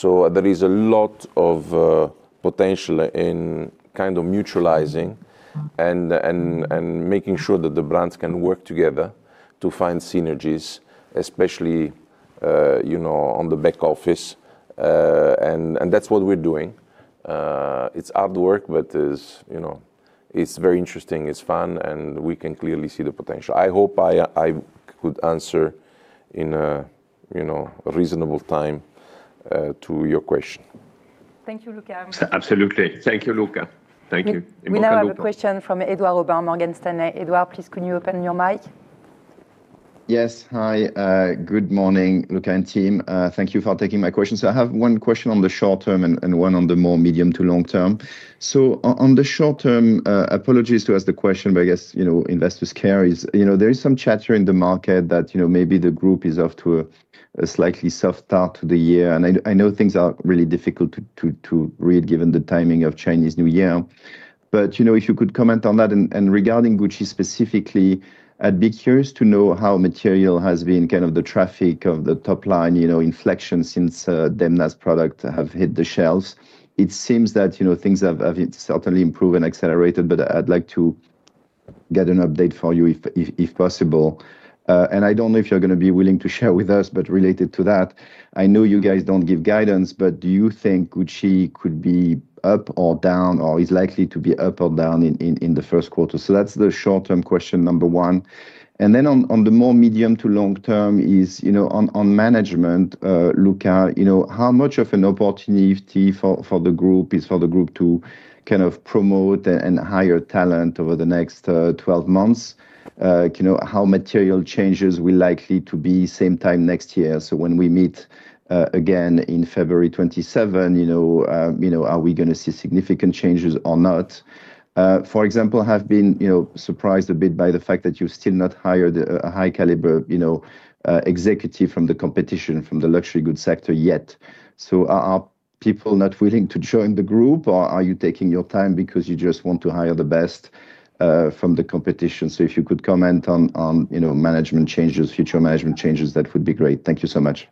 There is a lot of potential in kind of mutualizing and making sure that the brands can work together to find synergies, especially on the back office. That's what we're doing. It's hard work, but it's very interesting. It's fun. We can clearly see the potential. I hope I could answer in a reasonable time to your question. Thank you, Luca. Absolutely. Thank you, Luca. Thank you. We now have a question from Édouard Aubin, Morgan Stanley. Édouard, please could you open your mic? Yes. Hi. Good morning, Luca and team. Thank you for taking my question. So, I have one question on the short term and one on the more medium to long term. On the short term, apologies to ask the question, but I guess investors care. There is some chatter in the market that maybe the group is off to a slightly soft start to the year. I know things are really difficult to read given the timing of Chinese New Year. But if you could comment on that. And regarding Gucci specifically, I'd be curious to know how material has been kind of the traffic of the top line, inflection since Demna's products have hit the shelves. It seems that things have certainly improved and accelerated. But I'd like to get an update from you, if possible. I don't know if you're going to be willing to share with us, but related to that, I know you guys don't give guidance, but do you think Gucci could be up or down or is likely to be up or down in the first quarter? So, that's the short-term question number 1. And then on the more medium- to long-term is on management, Luca, how much of an opportunity for the group is for the group to kind of promote and hire talent over the next 12 months? How material changes will likely be same time next year? So, when we meet again in February 2027, are we going to see significant changes or not? For example, I have been surprised a bit by the fact that you still not hired a high-caliber executive from the competition, from the luxury goods sector yet. So, are people not willing to join the group, or are you taking your time because you just want to hire the best from the competition? So, if you could comment on management changes, future management changes, that would be great. Thank you so much.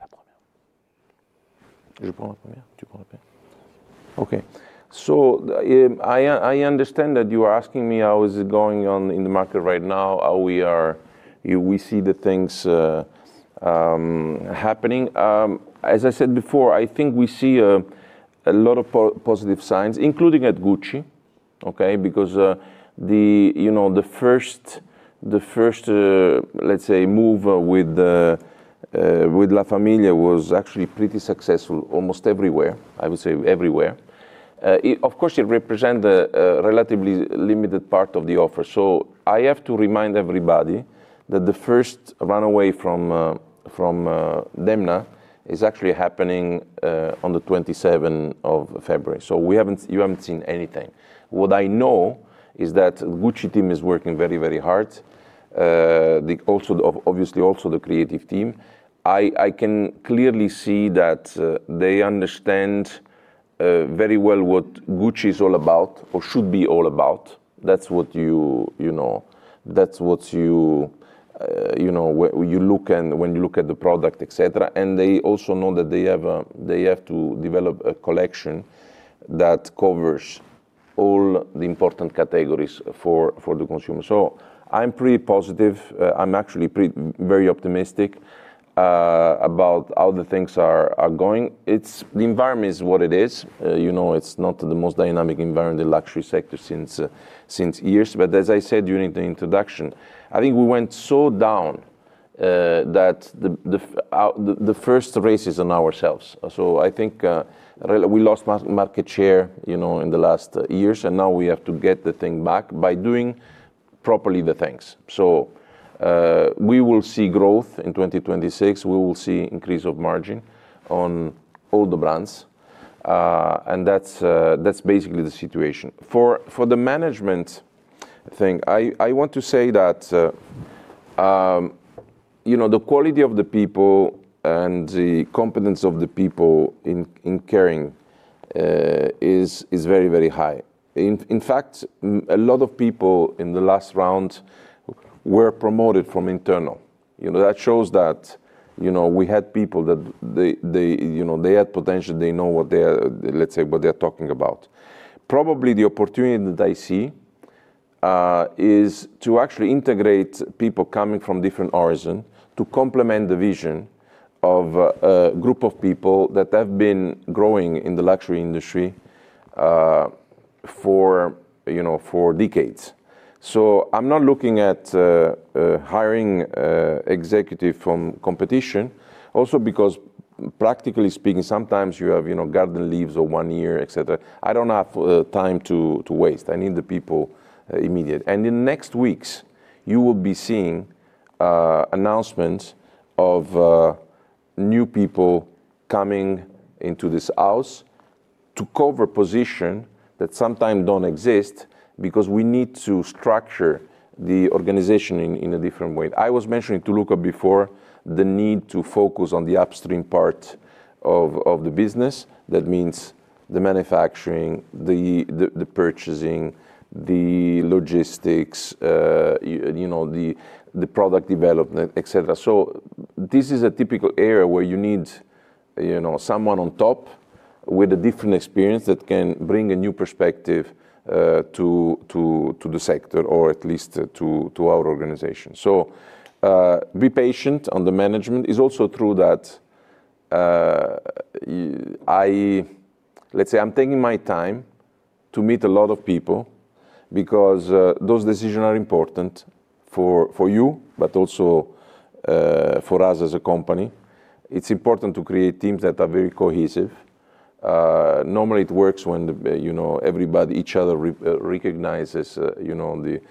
Okay. So, I understand that you are asking me how is it going in the market right now, how we see the things happening. As I said before, I think we see a lot of positive signs, including at Gucci, because the first, let's say, move with La Famiglia was actually pretty successful almost everywhere, I would say everywhere. Of course, it represents a relatively limited part of the offer. So, I have to remind everybody that the first runway from Demna is actually happening on the 27th of February. So, you haven't seen anything. What I know is that the Gucci team is working very, very hard. Obviously, also the creative team. I can clearly see that they understand very well what Gucci is all about or should be all about. That's what you look at when you look at the product, etc. And they also know that they have to develop a collection that covers all the important categories for the consumer. So, I'm pretty positive. I'm actually very optimistic about how the things are going. The environment is what it is. It's not the most dynamic environment in the luxury sector since years. But as I said during the introduction, I think we went so down that the first race is on ourselves. So, I think we lost market share in the last years. And now we have to get the thing back by doing properly the things. So, we will see growth in 2026. We will see increase of margin on all the brands. And that's basically the situation. For the management thing, I want to say that the quality of the people and the competence of the people in Kering is very, very high. In fact, a lot of people in the last round were promoted from internal. That shows that we had people that they had potential. They know what they are, let's say, what they are talking about. Probably the opportunity that I see is to actually integrate people coming from different origins to complement the vision of a group of people that have been growing in the luxury industry for decades. So, I'm not looking at hiring executives from competition, also because, practically speaking, sometimes you have garden leave of one year, etc. I don't have time to waste. I need the people immediately. In the next weeks, you will be seeing announcements of new people coming into this house to cover positions that sometimes don't exist because we need to structure the organization in a different way. I was mentioning to Luca before the need to focus on the upstream part of the business. That means the manufacturing, the purchasing, the logistics, the product development, etc. So, this is a typical area where you need someone on top with a different experience that can bring a new perspective to the sector or at least to our organization. So, be patient on the management. It's also true that, let's say, I'm taking my time to meet a lot of people because those decisions are important for you, but also for us as a company. It's important to create teams that are very cohesive. Normally, it works when everybody, each other, recognizes the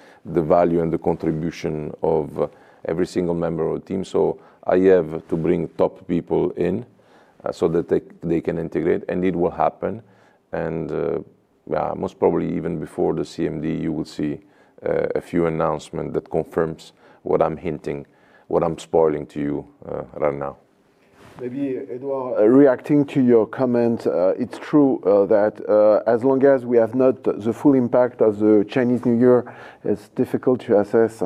value and the contribution of every single member of the team. So, I have to bring top people in so that they can integrate. And it will happen. And most probably, even before the CMD, you will see a few announcements that confirm what I'm hinting, what I'm spoiling to you right now. Maybe, Édouard, reacting to your comment, it's true that as long as we have not the full impact of the Chinese New Year, it's difficult to assess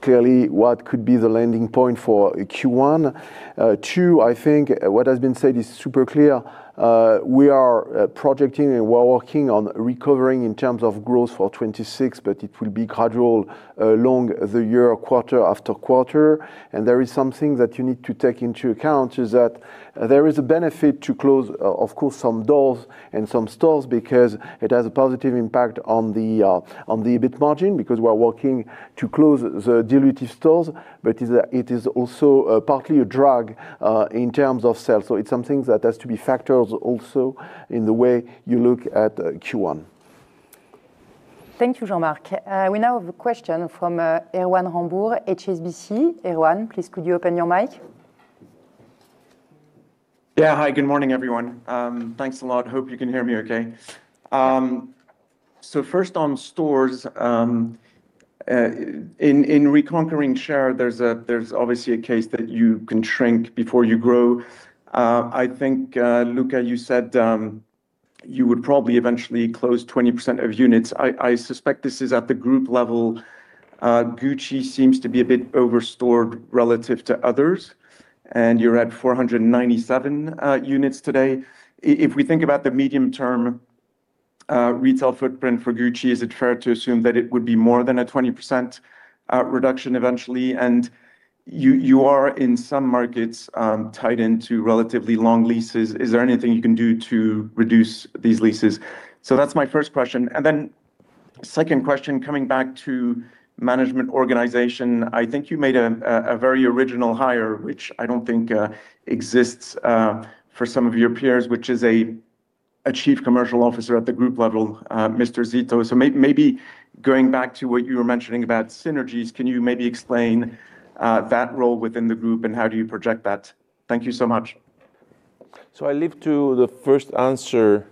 clearly what could be the landing point for Q1. Two, I think what has been said is super clear. We are projecting and we're working on recovering in terms of growth for 2026, but it will be gradual along the year, quarter after quarter. And there is something that you need to take into account is that there is a benefit to close, of course, some doors and some stores because it has a positive impact on the EBIT margin because we're working to close the dilutive stores. But it is also partly a drag in terms of sales. So, it's something that has to be factored also in the way you look at Q1. Thank you, Jean-Marc. We now have a question from Erwan Rambourg, HSBC. Erwan, please, could you open your mic? Yeah. Hi. Good morning, everyone. Thanks a lot. Hope you can hear me okay. So, first, on stores, in reconquering share, there's obviously a case that you can shrink before you grow. I think, Luca, you said you would probably eventually close 20% of units. I suspect this is at the group level. Gucci seems to be a bit overstored relative to others. And you're at 497 units today. If we think about the medium-term retail footprint for Gucci, is it fair to assume that it would be more than a 20% reduction eventually? And you are, in some markets, tied into relatively long leases. Is there anything you can do to reduce these leases? So, that's my first question. Then second question, coming back to management organization, I think you made a very original hire, which I don't think exists for some of your peers, which is a Chief Commercial Officer at the group level, Mr. Zito. So, maybe going back to what you were mentioning about synergies, can you maybe explain that role within the group and how do you project that? Thank you so much. So, I leave to the first answer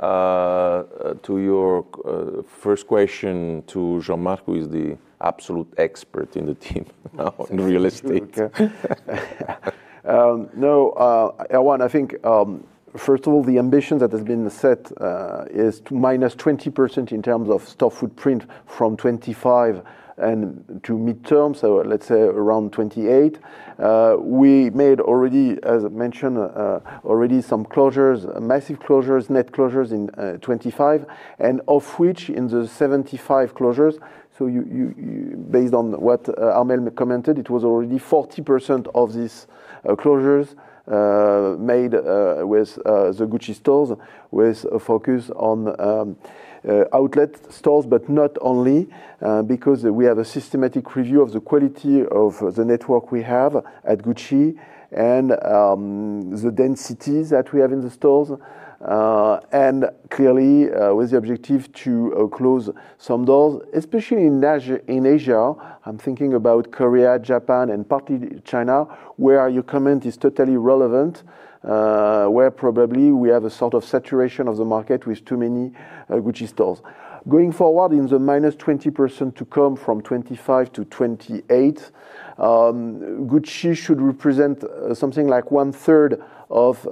to your first question to Jean-Marc, who is the absolute expert in the team now in real estate. No, Erwan, I think, first of all, the ambition that has been set is to -20% in terms of store footprint from 2025 and to mid-term, so let's say around 2028. We made already, as I mentioned, already some closures, massive closures, net closures in 2025, and of which, in the 75 closures, so based on what Armelle commented, it was already 40% of these closures made with the Gucci stores with a focus on outlet stores, but not only because we have a systematic review of the quality of the network we have at Gucci and the densities that we have in the stores. Clearly, with the objective to close some doors, especially in Asia, I'm thinking about Korea, Japan, and partly China, where your comment is totally relevant, where probably we have a sort of saturation of the market with too many Gucci stores. Going forward, in the -20% to come from 2025 to 2028, Gucci should represent something like one-third of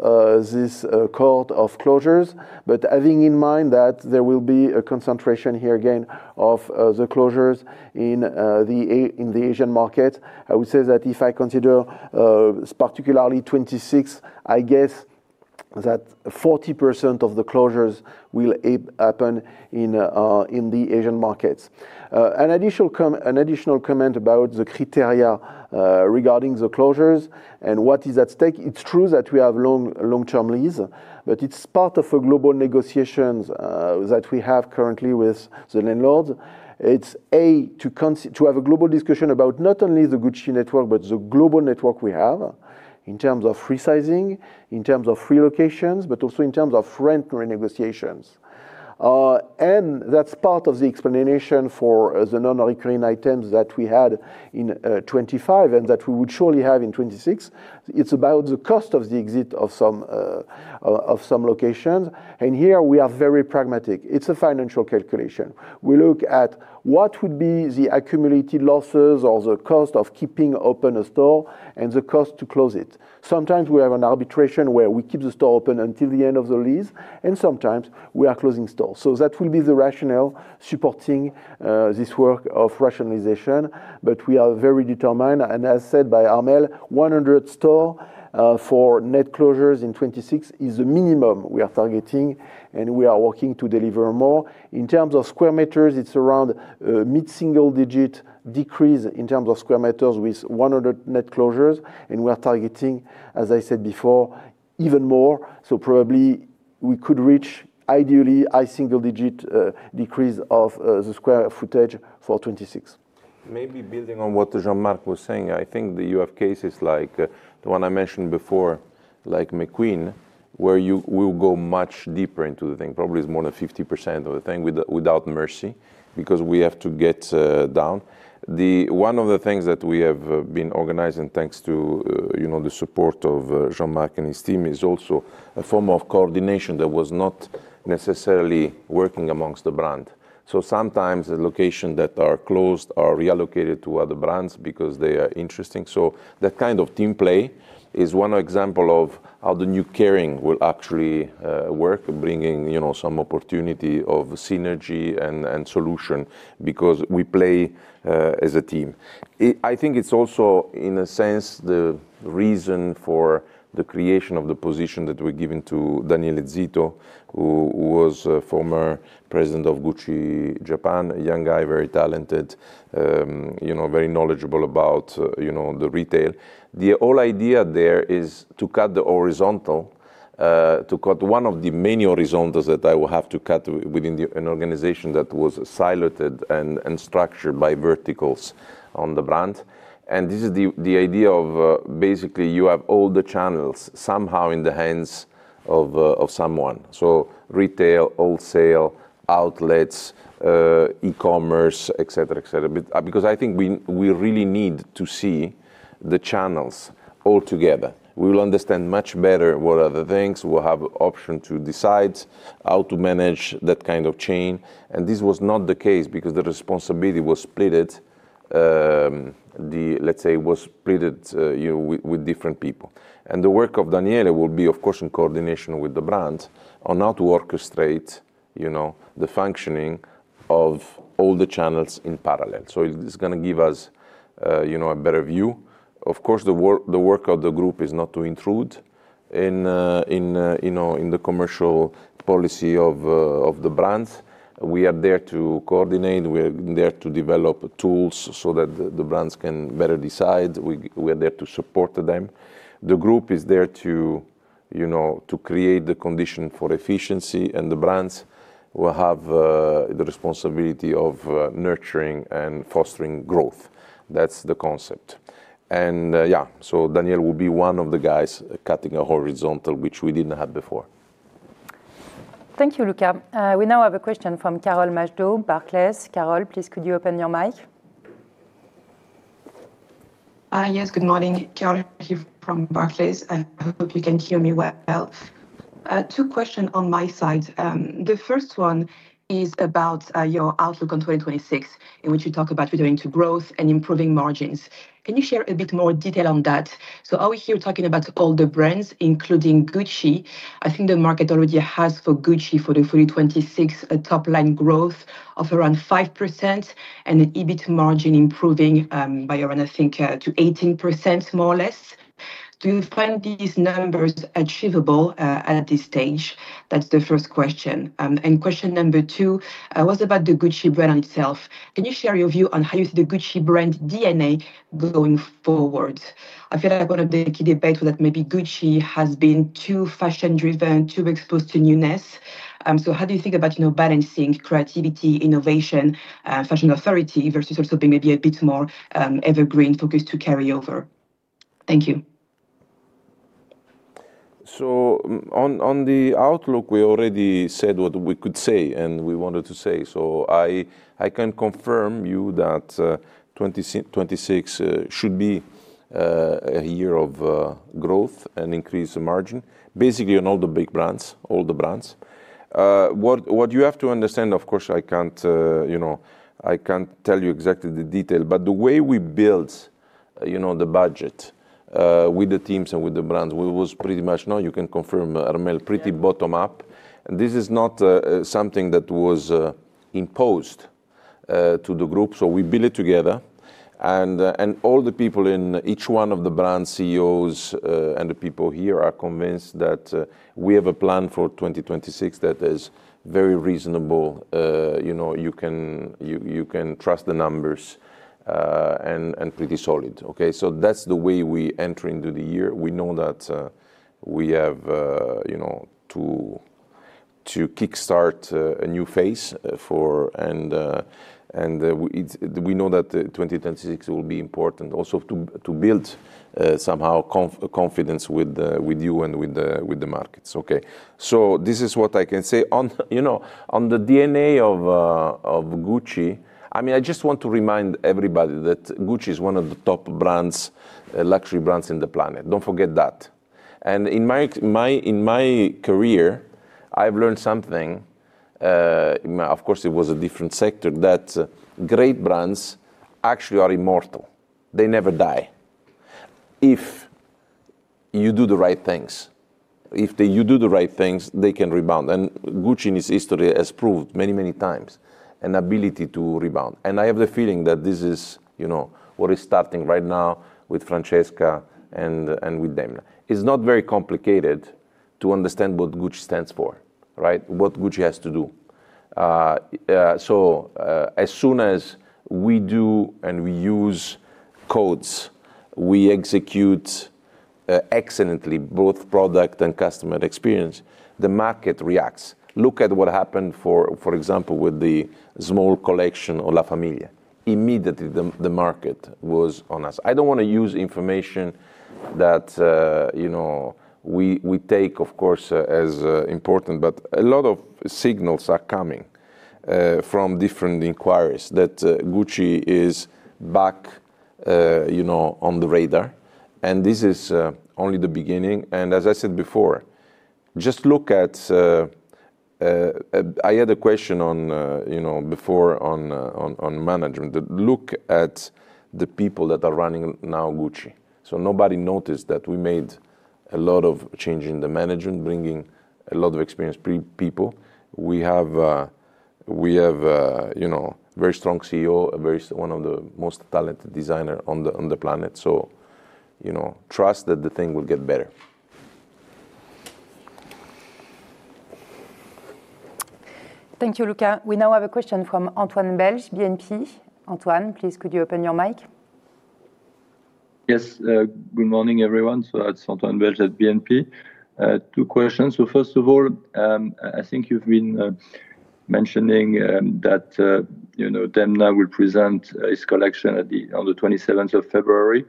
this cohort of closures. But having in mind that there will be a concentration here again of the closures in the Asian market, I would say that if I consider particularly 2026, I guess that 40% of the closures will happen in the Asian markets. An additional comment about the criteria regarding the closures and what is at stake, it's true that we have long-term lease, but it's part of global negotiations that we have currently with the landlords. It's a to have a global discussion about not only the Gucci network, but the global network we have in terms of resizing, in terms of relocations, but also in terms of rent renegotiations. That's part of the explanation for the non-recurring items that we had in 2025 and that we would surely have in 2026. It's about the cost of the exit of some locations. Here, we are very pragmatic. It's a financial calculation. We look at what would be the accumulated losses or the cost of keeping open a store and the cost to close it. Sometimes, we have an arbitration where we keep the store open until the end of the lease. And sometimes, we are closing stores. So, that will be the rationale supporting this work of rationalization. We are very determined. As said by Armelle, 100 stores for net closures in 2026 is the minimum we are targeting. We are working to deliver more. In terms of square meters, it's around a mid-single-digit decrease in terms of square meters with 100 net closures. We are targeting, as I said before, even more. So, probably, we could reach, ideally, a high single-digit decrease of the square footage for 2026. Maybe building on what Jean-Marc was saying, I think that you have cases like the one I mentioned before, like McQueen, where we will go much deeper into the thing. Probably it's more than 50% of the thing without mercy because we have to get down. One of the things that we have been organizing, thanks to the support of Jean-Marc and his team, is also a form of coordination that was not necessarily working amongst the brand. So, sometimes, the locations that are closed are reallocated to other brands because they are interesting. So, that kind of team play is one example of how the new Kering will actually work, bringing some opportunity of synergy and solution because we play as a team. I think it's also, in a sense, the reason for the creation of the position that we're giving to Daniele Zito, who was former president of Gucci Japan, a young guy, very talented, very knowledgeable about the retail. The whole idea there is to cut the horizontal, to cut one of the many horizontals that I will have to cut within an organization that was siloed and structured by verticals on the brand. And this is the idea of, basically, you have all the channels somehow in the hands of someone. So, retail, wholesale, outlets, e-commerce, etc., etc., because I think we really need to see the channels all together. We will understand much better what are the things. We'll have the option to decide how to manage that kind of chain. And this was not the case because the responsibility was split, let's say, with different people. And the work of Daniele will be, of course, in coordination with the brand on how to orchestrate the functioning of all the channels in parallel. So, it's going to give us a better view. Of course, the work of the group is not to intrude in the commercial policy of the brands. We are there to coordinate. We are there to develop tools so that the brands can better decide. We are there to support them. The group is there to create the condition for efficiency. The brands will have the responsibility of nurturing and fostering growth. That's the concept. Yeah, so Daniele will be one of the guys cutting a horizontal, which we didn't have before. Thank you, Luca. We now have a question from Carole Madjo, Barclays. Carole, please, could you open your mic? Yes. Good morning, Carole. I'm here from Barclays. I hope you can hear me well. Two questions on my side. The first one is about your outlook on 2026, in which you talk about returning to growth and improving margins. Can you share a bit more detail on that? So, are we here talking about all the brands, including Gucci? I think the market already has for Gucci, for the 2026, a top-line growth of around 5% and an EBIT margin improving by around, I think, to 18%, more or less. Do you find these numbers achievable at this stage? That's the first question. And question number two was about the Gucci brand itself. Can you share your view on how you see the Gucci brand DNA going forward? I feel like one of the key debates was that maybe Gucci has been too fashion-driven, too exposed to newness. How do you think about balancing creativity, innovation, fashion authority versus also being maybe a bit more evergreen, focused to carry over? Thank you. So, on the outlook, we already said what we could say and we wanted to say. So, I can confirm you that 2026 should be a year of growth and increased margin, basically, on all the big brands, all the brands. What you have to understand, of course, I can't tell you exactly the detail. But the way we built the budget with the teams and with the brands, it was pretty much, no, you can confirm, Armelle, pretty bottom-up. And this is not something that was imposed to the group. So, we built it together. And all the people in each one of the brands, CEOs, and the people here are convinced that we have a plan for 2026 that is very reasonable. You can trust the numbers and pretty solid, okay? So, that's the way we enter into the year. We know that we have to kick-start a new phase. And we know that 2026 will be important also to build somehow confidence with you and with the markets, okay? So, this is what I can say. On the DNA of Gucci, I mean, I just want to remind everybody that Gucci is one of the top luxury brands in the planet. Don't forget that. And in my career, I have learned something. Of course, it was a different sector, that great brands actually are immortal. They never die if you do the right things. If you do the right things, they can rebound. And Gucci's history has proved many, many times an ability to rebound. And I have the feeling that this is what is starting right now with Francesca and with Demna. It's not very complicated to understand what Gucci stands for, right? What Gucci has to do. So, as soon as we do and we use codes, we execute excellently, both product and customer experience, the market reacts. Look at what happened, for example, with the small collection, La Famiglia. Immediately, the market was on us. I don't want to use information that we take, of course, as important, but a lot of signals are coming from different inquiries that Gucci is back on the radar. And this is only the beginning. And as I said before, just look at. I had a question before on management. Look at the people that are running now Gucci. So, nobody noticed that we made a lot of change in the management, bringing a lot of experienced people. We have a very strong CEO, one of the most talented designers on the planet. So, trust that the thing will get better. Thank you, Luca. We now have a question from Antoine Belge, BNP. Antoine, please, could you open your mic? Yes. Good morning, everyone. So, that's Antoine Belge at BNP. Two questions. So, first of all, I think you've been mentioning that Demna will present his collection on the 27th of February.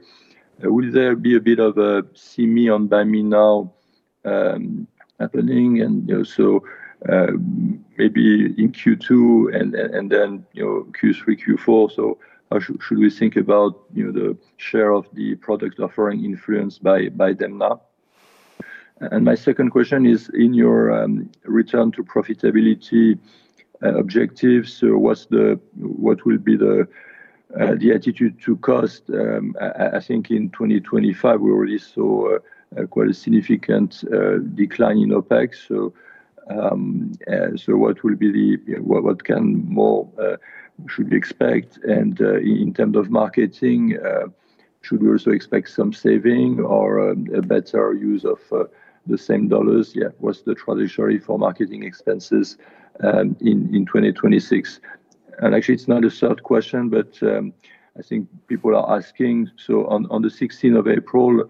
Will there be a bit of a "See Me On, Buy Me Now" happening? And so, maybe in Q2 and then Q3, Q4? So, should we think about the share of the product offering influenced by Demna? And my second question is, in your return-to-profitability objectives, what will be the attitude to cost? I think in 2025, we already saw quite a significant decline in OPEX. So, what will be the what can more should we expect? And in terms of marketing, should we also expect some saving or a better use of the same dollars? Yeah. What's the trajectory for marketing expenses in 2026? And actually, it's not a soft question, but I think people are asking. On the 16th of April,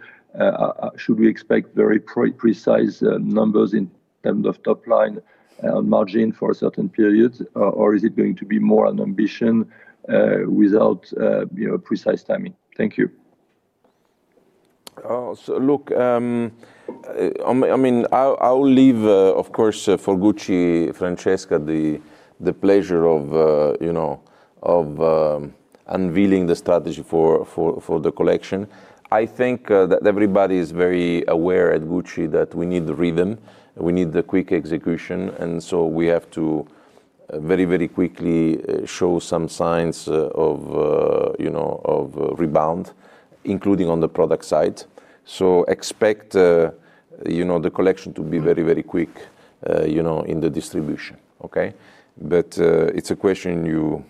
should we expect very precise numbers in terms of top-line on margin for a certain period? Or is it going to be more an ambition without precise timing? Thank you. So, look, I mean, I will leave, of course, for Gucci, Francesca, the pleasure of unveiling the strategy for the collection. I think that everybody is very aware at Gucci that we need the rhythm. We need the quick execution. And so, we have to very, very quickly show some signs of rebound, including on the product side. So, expect the collection to be very, very quick in the distribution, okay? But it's a question you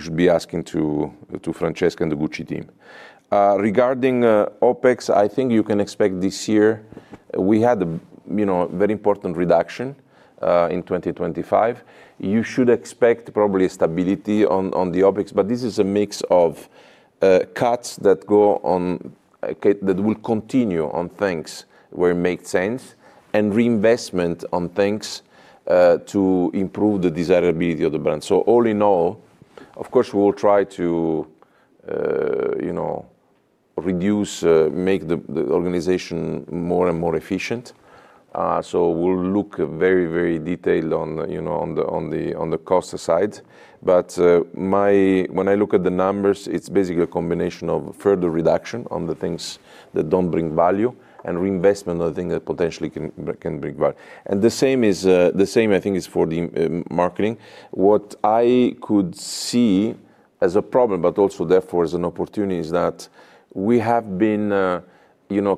should be asking to Francesca and the Gucci team. Regarding OPEX, I think you can expect this year we had a very important reduction in 2025. You should expect probably stability on the OPEX. But this is a mix of cuts that will continue on things where it makes sense and reinvestment on things to improve the desirability of the brand. All in all, of course, we will try to reduce, make the organization more and more efficient. We'll look very, very detailed on the cost side. But when I look at the numbers, it's basically a combination of further reduction on the things that don't bring value and reinvestment on the things that potentially can bring value. The same is the same, I think, is for the marketing. What I could see as a problem, but also, therefore, as an opportunity, is that we have been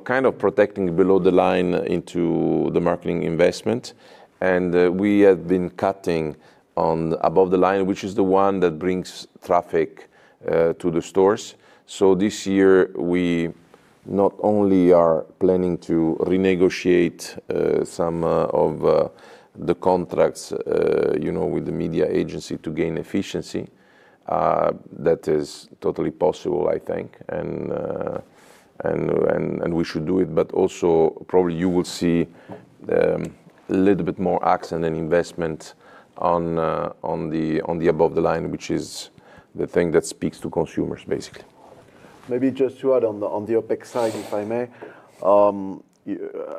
kind of protecting below the line into the marketing investment. We have been cutting above the line, which is the one that brings traffic to the stores. This year, we not only are planning to renegotiate some of the contracts with the media agency to gain efficiency. That is totally possible, I think. We should do it. But also, probably, you will see a little bit more accent and investment on the above-the-line, which is the thing that speaks to consumers, basically. Maybe just to add on the OPEX side, if I may.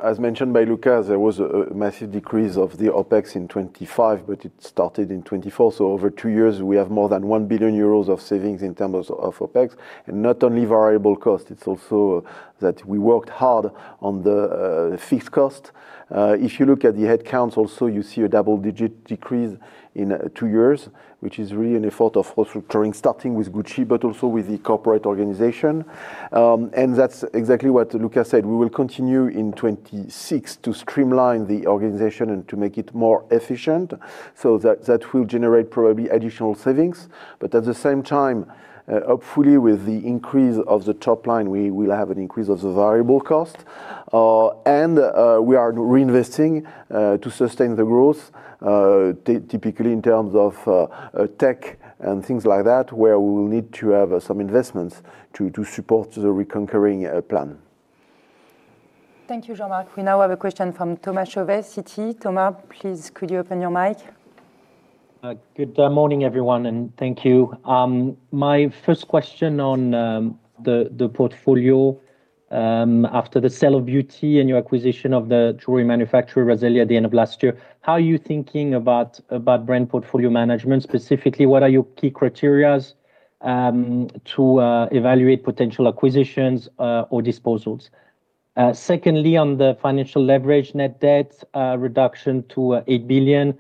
As mentioned by Luca, there was a massive decrease of the OPEX in 2025, but it started in 2024. So, over two years, we have more than 1 billion euros of savings in terms of OPEX. And not only variable cost, it's also that we worked hard on the fixed cost. If you look at the headcounts also, you see a double-digit decrease in two years, which is really an effort of restructuring, starting with Gucci, but also with the corporate organization. And that's exactly what Luca said. We will continue in 2026 to streamline the organization and to make it more efficient. So, that will generate probably additional savings. But at the same time, hopefully, with the increase of the top-line, we will have an increase of the variable cost. And we are reinvesting to sustain the growth, typically in terms of tech and things like that, where we will need to have some investments to support the reconquering plan. Thank you, Jean-Marc Duplaix. We now have a question from Thomas Chauvet, Citi. Thomas, please, could you open your mic? Good morning, everyone. Thank you. My first question on the portfolio after the sale of Gucci and your acquisition of the jewelry manufacturer, Raselli, at the end of last year, how are you thinking about brand portfolio management? Specifically, what are your key criteria to evaluate potential acquisitions or disposals? Secondly, on the financial leverage, net debt reduction to 8 billion.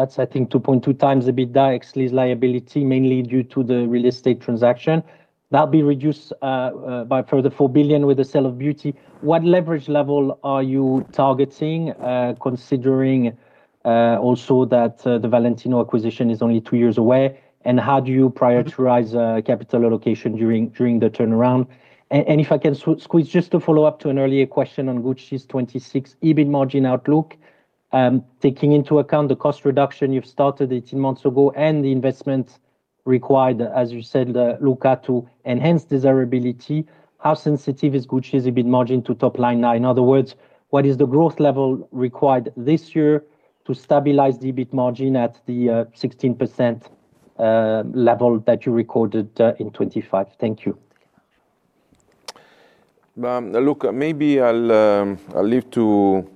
That's, I think, 2.2 times the EBITDA ex lease liability, mainly due to the real estate transaction. That'll be reduced by further 4 billion with the sale of Gucci. What leverage level are you targeting, considering also that the Valentino acquisition is only two years away? And how do you prioritize capital allocation during the turnaround? If I can squeeze just a follow-up to an earlier question on Gucci's 2026 EBIT margin outlook, taking into account the cost reduction you've started 18 months ago and the investment required, as you said, Luca, to enhance desirability, how sensitive is Gucci's EBIT margin to top-line now? In other words, what is the growth level required this year to stabilize the EBIT margin at the 16% level that you recorded in 2025? Thank you. Look, maybe I'll leave to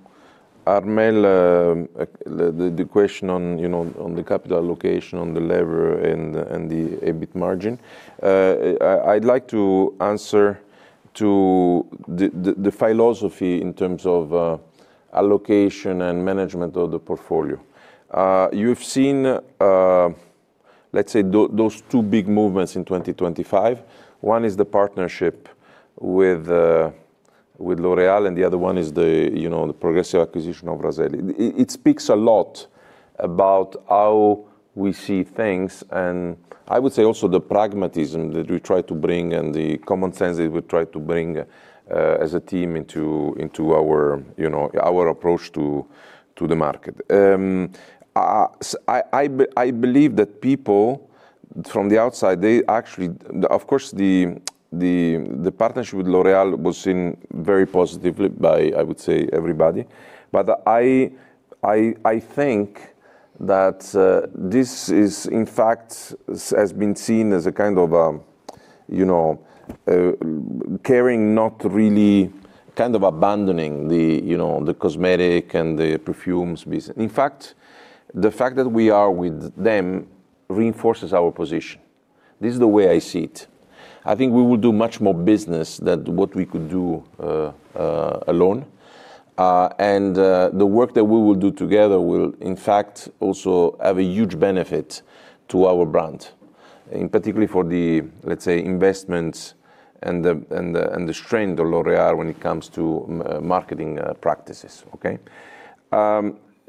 Armelle the question on the capital allocation, on the lever, and the EBIT margin. I'd like to answer the philosophy in terms of allocation and management of the portfolio. You've seen, let's say, those two big movements in 2025. One is the partnership with L'Oréal, and the other one is the progressive acquisition of Raselli. It speaks a lot about how we see things. And I would say also the pragmatism that we try to bring and the common sense that we try to bring as a team into our approach to the market. I believe that people from the outside, they actually of course, the partnership with L'Oréal was seen very positively by, I would say, everybody. But I think that this is, in fact, has been seen as a kind of caring, not really kind of abandoning the cosmetic and the perfumes business. In fact, the fact that we are with them reinforces our position. This is the way I see it. I think we will do much more business than what we could do alone. And the work that we will do together will, in fact, also have a huge benefit to our brand, particularly for the, let's say, investments and the strength of L'Oréal when it comes to marketing practices, okay?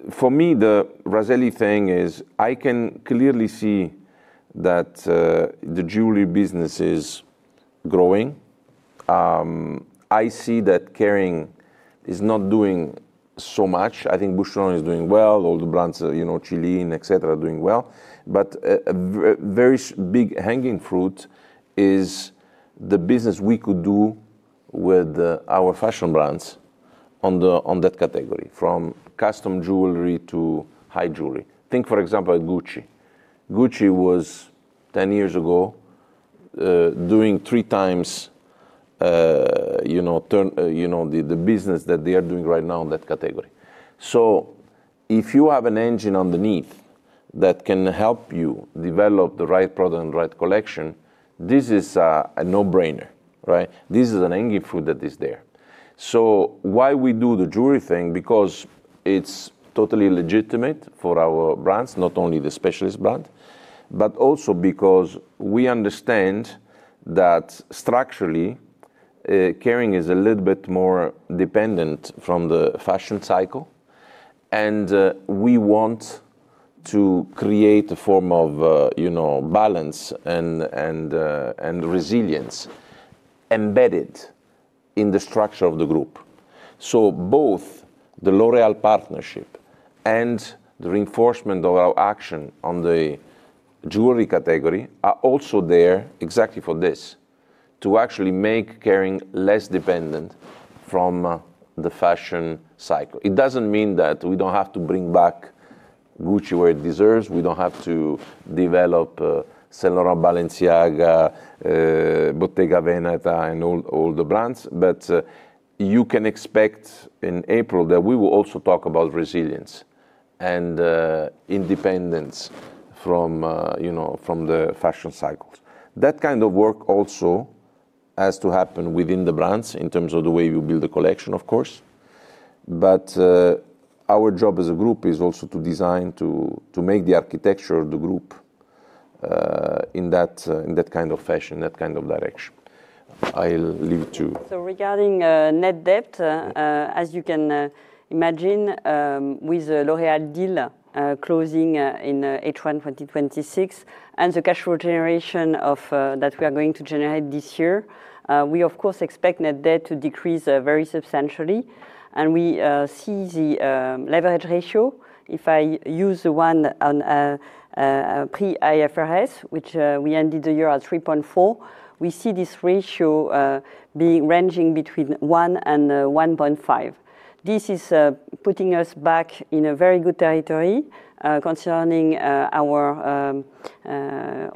For me, the Raselli thing is, I can clearly see that the jewelry business is growing. I see that Kering is not doing so much. I think Boucheron is doing well. All the brands, Qeelin, etc., are doing well. But a very big hanging fruit is the business we could do with our fashion brands on that category, from custom jewelry to high jewelry. Think, for example, at Gucci. Gucci was, 10 years ago, doing three times the business that they are doing right now in that category. So, if you have an engine underneath that can help you develop the right product and the right collection, this is a no-brainer, right? This is a low-hanging fruit that is there. So, why we do the jewelry thing? Because it's totally legitimate for our brands, not only the specialist brand, but also because we understand that, structurally, Kering is a little bit more dependent from the fashion cycle. And we want to create a form of balance and resilience embedded in the structure of the group. So, both the L'Oréal partnership and the reinforcement of our action on the jewelry category are also there exactly for this, to actually make Kering less dependent from the fashion cycle. It doesn't mean that we don't have to bring back Gucci where it deserves. We don't have to develop Saint Laurent, Balenciaga, Bottega Veneta, and all the brands. But you can expect, in April, that we will also talk about resilience and independence from the fashion cycles. That kind of work also has to happen within the brands in terms of the way you build the collection, of course. But our job as a group is also to design, to make the architecture of the group in that kind of fashion, that kind of direction. I'll leave it to. So, regarding net debt, as you can imagine, with L'Oréal deal closing in H1 2026 and the cash flow generation that we are going to generate this year, we, of course, expect net debt to decrease very substantially. And we see the leverage ratio. If I use the one on pre-IFRS, which we ended the year at 3.4, we see this ratio ranging between 1 and 1.5. This is putting us back in a very good territory concerning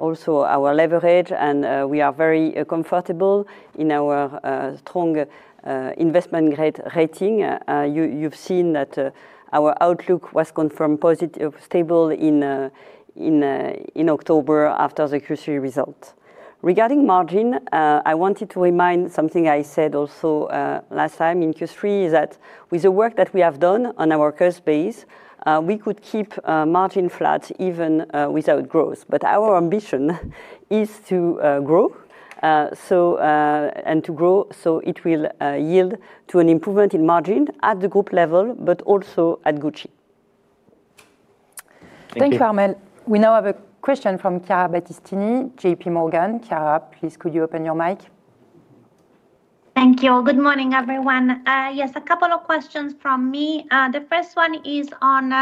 also our leverage. And we are very comfortable in our strong investment grade rating. You've seen that our outlook was confirmed positive, stable in October after the Q3 results. Regarding margin, I wanted to remind something I said also last time in Q3, is that with the work that we have done on our customers, we could keep margin flat even without growth. But our ambition is to grow and to grow so it will yield to an improvement in margin at the group level, but also at Gucci. Thank you. Thank you, Armelle. We now have a question from Chiara Battistini, J.P. Morgan. Chiara, please, could you open your mic? Thank you. Good morning, everyone. Yes, a couple of questions from me. The first one is on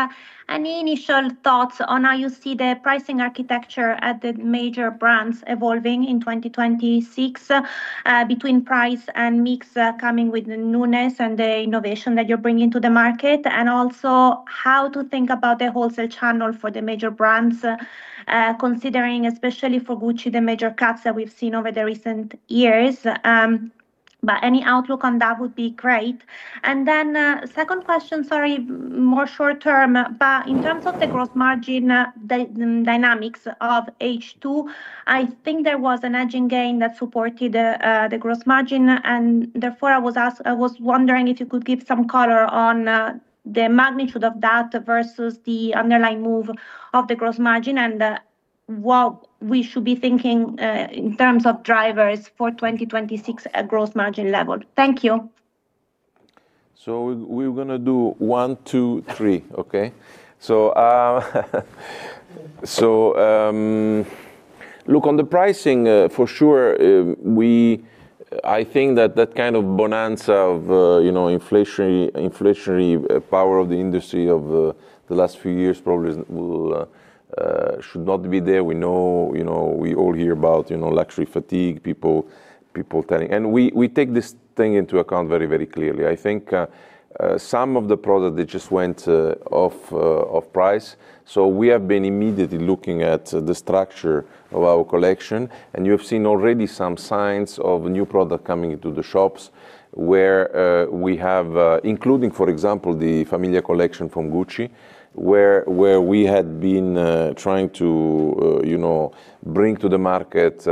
any initial thoughts on how you see the pricing architecture at the major brands evolving in 2026 between price and mix coming with the newness and the innovation that you're bringing to the market, and also how to think about the wholesale channel for the major brands, considering, especially for Gucci, the major cuts that we've seen over the recent years. But any outlook on that would be great. And then, second question, sorry, more short-term, but in terms of the gross margin dynamics of H2, I think there was an hedging gain that supported the gross margin. Therefore, I was wondering if you could give some color on the magnitude of that versus the underlying move of the gross margin and what we should be thinking in terms of drivers for 2026 at gross margin level? Thank you. So, we're going to do one, two, three, okay? So, look, on the pricing, for sure, I think that that kind of bonanza of inflationary power of the industry of the last few years probably should not be there. We all hear about luxury fatigue, people telling. And we take this thing into account very, very clearly. I think some of the products, they just went off price. So, we have been immediately looking at the structure of our collection. And you have seen already some signs of new products coming into the shops where we have, including, for example, the La Famiglia collection from Gucci, where we had been trying to bring to the market,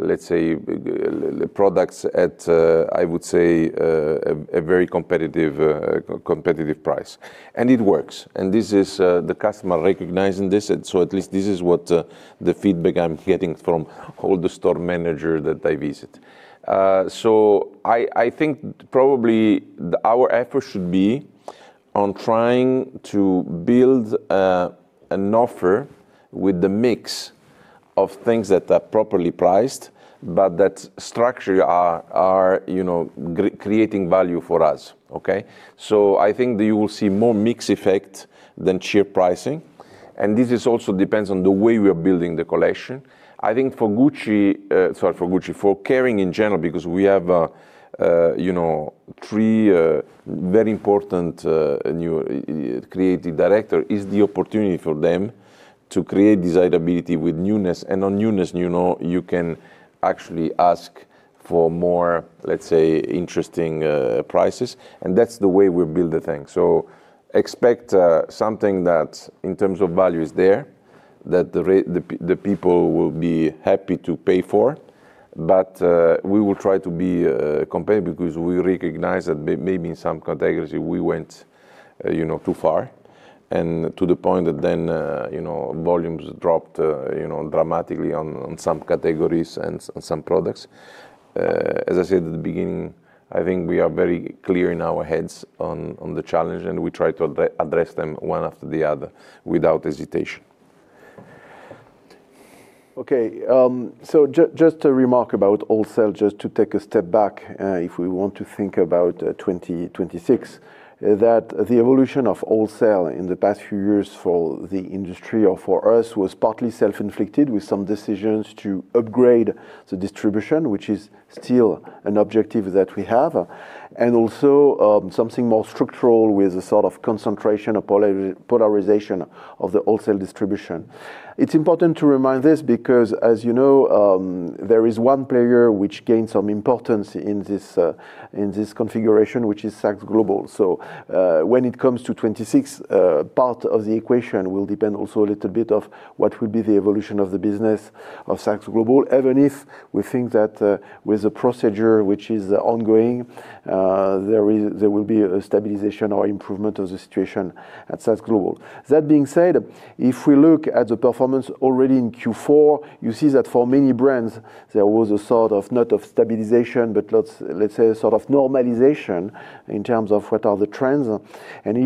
let's say, products at, I would say, a very competitive price. And it works. And this is the customer recognizing this. So, at least, this is what the feedback I'm getting from all the store managers that I visit. So, I think probably our effort should be on trying to build an offer with the mix of things that are properly priced, but that structure are creating value for us, okay? So, I think that you will see more mix effect than sheer pricing. And this also depends on the way we are building the collection. I think for Gucci sorry, for Gucci, for Kering in general, because we have three very important new creative directors, it is the opportunity for them to create desirability with newness. And on newness, you can actually ask for more, let's say, interesting prices. And that's the way we build the thing. So, expect something that, in terms of value, is there, that the people will be happy to pay for. We will try to be compelled because we recognize that maybe in some categories, we went too far and to the point that then volumes dropped dramatically on some categories and some products. As I said at the beginning, I think we are very clear in our heads on the challenge. We try to address them one after the other without hesitation. Okay. So, just a remark about wholesale, just to take a step back if we want to think about 2026, that the evolution of wholesale in the past few years for the industry or for us was partly self-inflicted with some decisions to upgrade the distribution, which is still an objective that we have, and also something more structural with a sort of concentration or polarization of the wholesale distribution. It's important to remind this because, as you know, there is one player which gains some importance in this configuration, which is Saks Global. So, when it comes to 2026, part of the equation will depend also a little bit on what will be the evolution of the business of Saks Global, even if we think that with the procedure which is ongoing, there will be a stabilization or improvement of the situation at Saks Global. That being said, if we look at the performance already in Q4, you see that for many brands, there was a sort of not of stabilization, but let's say a sort of normalization in terms of what are the trends.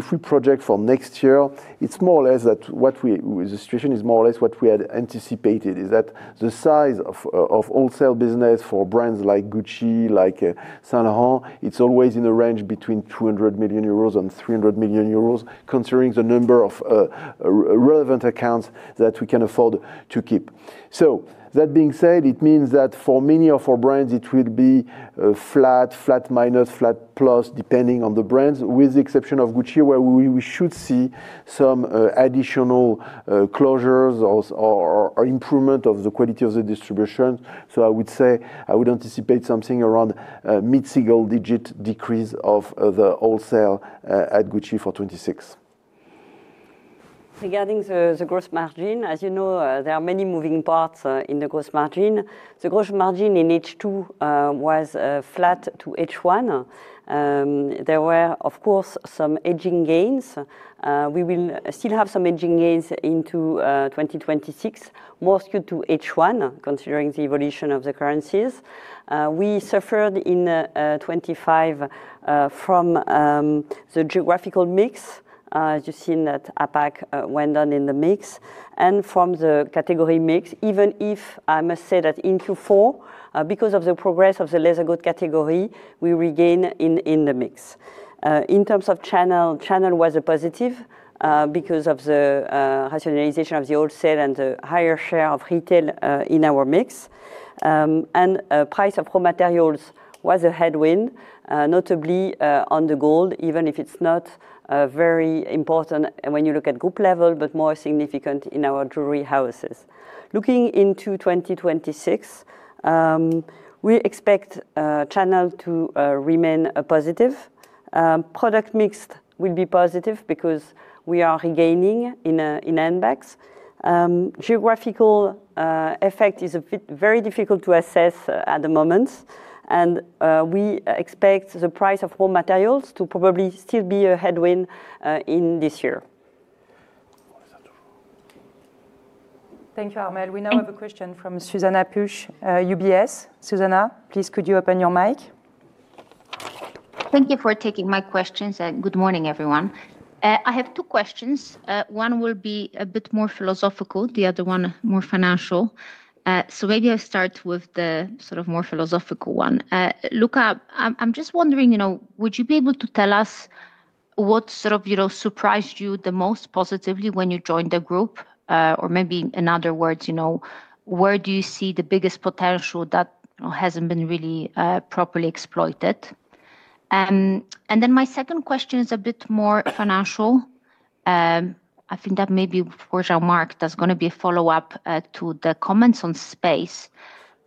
If we project for next year, it's more or less that what we the situation is more or less what we had anticipated, is that the size of wholesale business for brands like Gucci, like Saint Laurent, it's always in a range between 200 million euros and 300 million euros, considering the number of relevant accounts that we can afford to keep. That being said, it means that for many of our brands, it will be flat, flat minus, flat plus, depending on the brands, with the exception of Gucci, where we should see some additional closures or improvement of the quality of the distribution. I would say I would anticipate something around mid-single-digit decrease of the wholesale at Gucci for 2026. Regarding the gross margin, as you know, there are many moving parts in the gross margin. The gross margin in H2 was flat to H1. There were, of course, some hedging gains. We will still have some hedging gains into 2026, more skewed to H1, considering the evolution of the currencies. We suffered in 2025 from the geographical mix. As you've seen, the APAC went down in the mix. And from the category mix, even if I must say that in Q4, because of the progress of the Leather Goods category, we regained in the mix. In terms of channel, channel was a positive because of the rationalization of the wholesale and the higher share of retail in our mix. Price of raw materials was a headwind, notably on the gold, even if it's not very important when you look at group level, but more significant in our jewelry houses. Looking into 2026, we expect channel to remain positive. Product mixed will be positive because we are regaining in handbags. Geographical effect is very difficult to assess at the moment. We expect the price of raw materials to probably still be a headwind in this year. Thank you, Armelle. We now have a question from Zuzanna Pusz, UBS. Zuzanna, please, could you open your mic? Thank you for taking my questions. Good morning, everyone. I have two questions. One will be a bit more philosophical. The other one, more financial. Maybe I'll start with the sort of more philosophical one. Luca, I'm just wondering, would you be able to tell us what sort of surprised you the most positively when you joined the group? Or maybe in other words, where do you see the biggest potential that hasn't been really properly exploited? And then my second question is a bit more financial. I think that maybe, of course, Jean-Marc, there's going to be a follow-up to the comments on sales.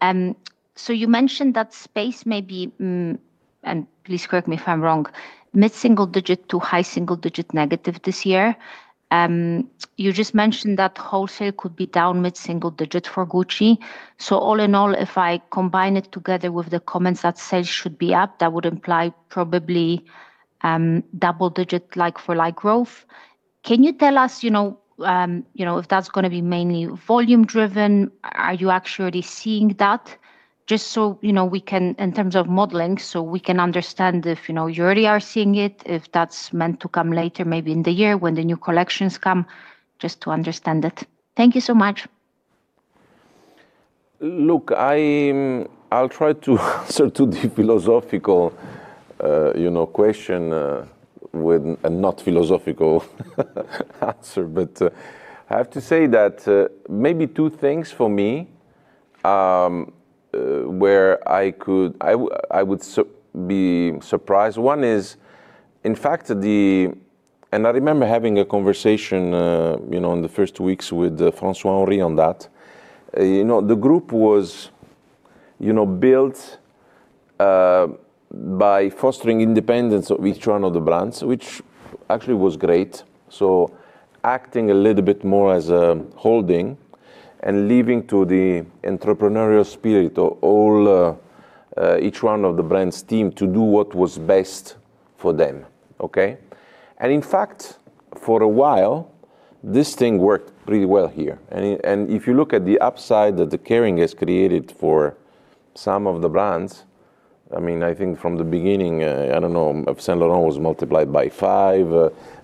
You mentioned that sales maybe and please correct me if I'm wrong, mid-single digit to high-single digit negative this year. You just mentioned that wholesale could be down mid-single digit for Gucci. So, all in all, if I combine it together with the comments that sales should be up, that would imply probably double-digit like-for-like growth. Can you tell us if that's going to be mainly volume-driven? Are you actually seeing that? Just so we can in terms of modeling, so we can understand if you already are seeing it, if that's meant to come later, maybe in the year when the new collections come, just to understand it. Thank you so much. Look, I'll try to answer to the philosophical question with a not-philosophical answer. But I have to say that maybe two things for me where I would be surprised. One is, in fact, I remember having a conversation in the first weeks with François-Henri on that. The group was built by fostering independence of each one of the brands, which actually was great. So, acting a little bit more as a holding and leaving to the entrepreneurial spirit of each one of the brands' team to do what was best for them, okay? And in fact, for a while, this thing worked pretty well here. And if you look at the upside that the Kering has created for some of the brands, I mean, I think from the beginning, I don't know, Saint Laurent was multiplied by five,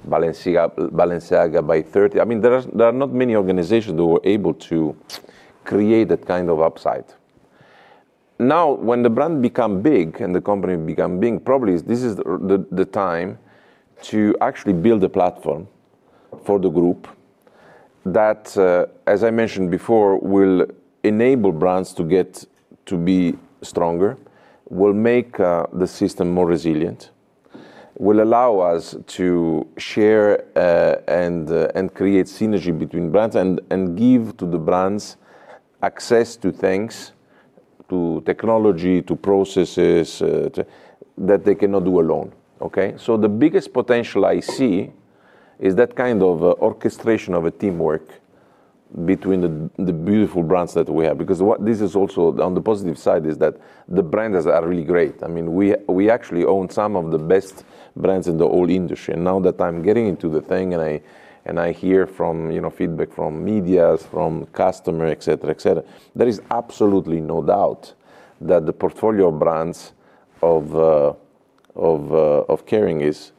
Balenciaga by 30. I mean, there are not many organizations that were able to create that kind of upside. Now, when the brand becomes big and the company becomes big, probably this is the time to actually build a platform for the group that, as I mentioned before, will enable brands to be stronger, will make the system more resilient, will allow us to share and create synergy between brands and give to the brands access to things, to technology, to processes that they cannot do alone, okay? So, the biggest potential I see is that kind of orchestration of a teamwork between the beautiful brands that we have. Because what this is also on the positive side is that the brands are really great. I mean, we actually own some of the best brands in the whole industry. Now that I'm getting into the thing and I hear feedback from media, from customers, etc., etc., there is absolutely no doubt that the portfolio of brands of Kering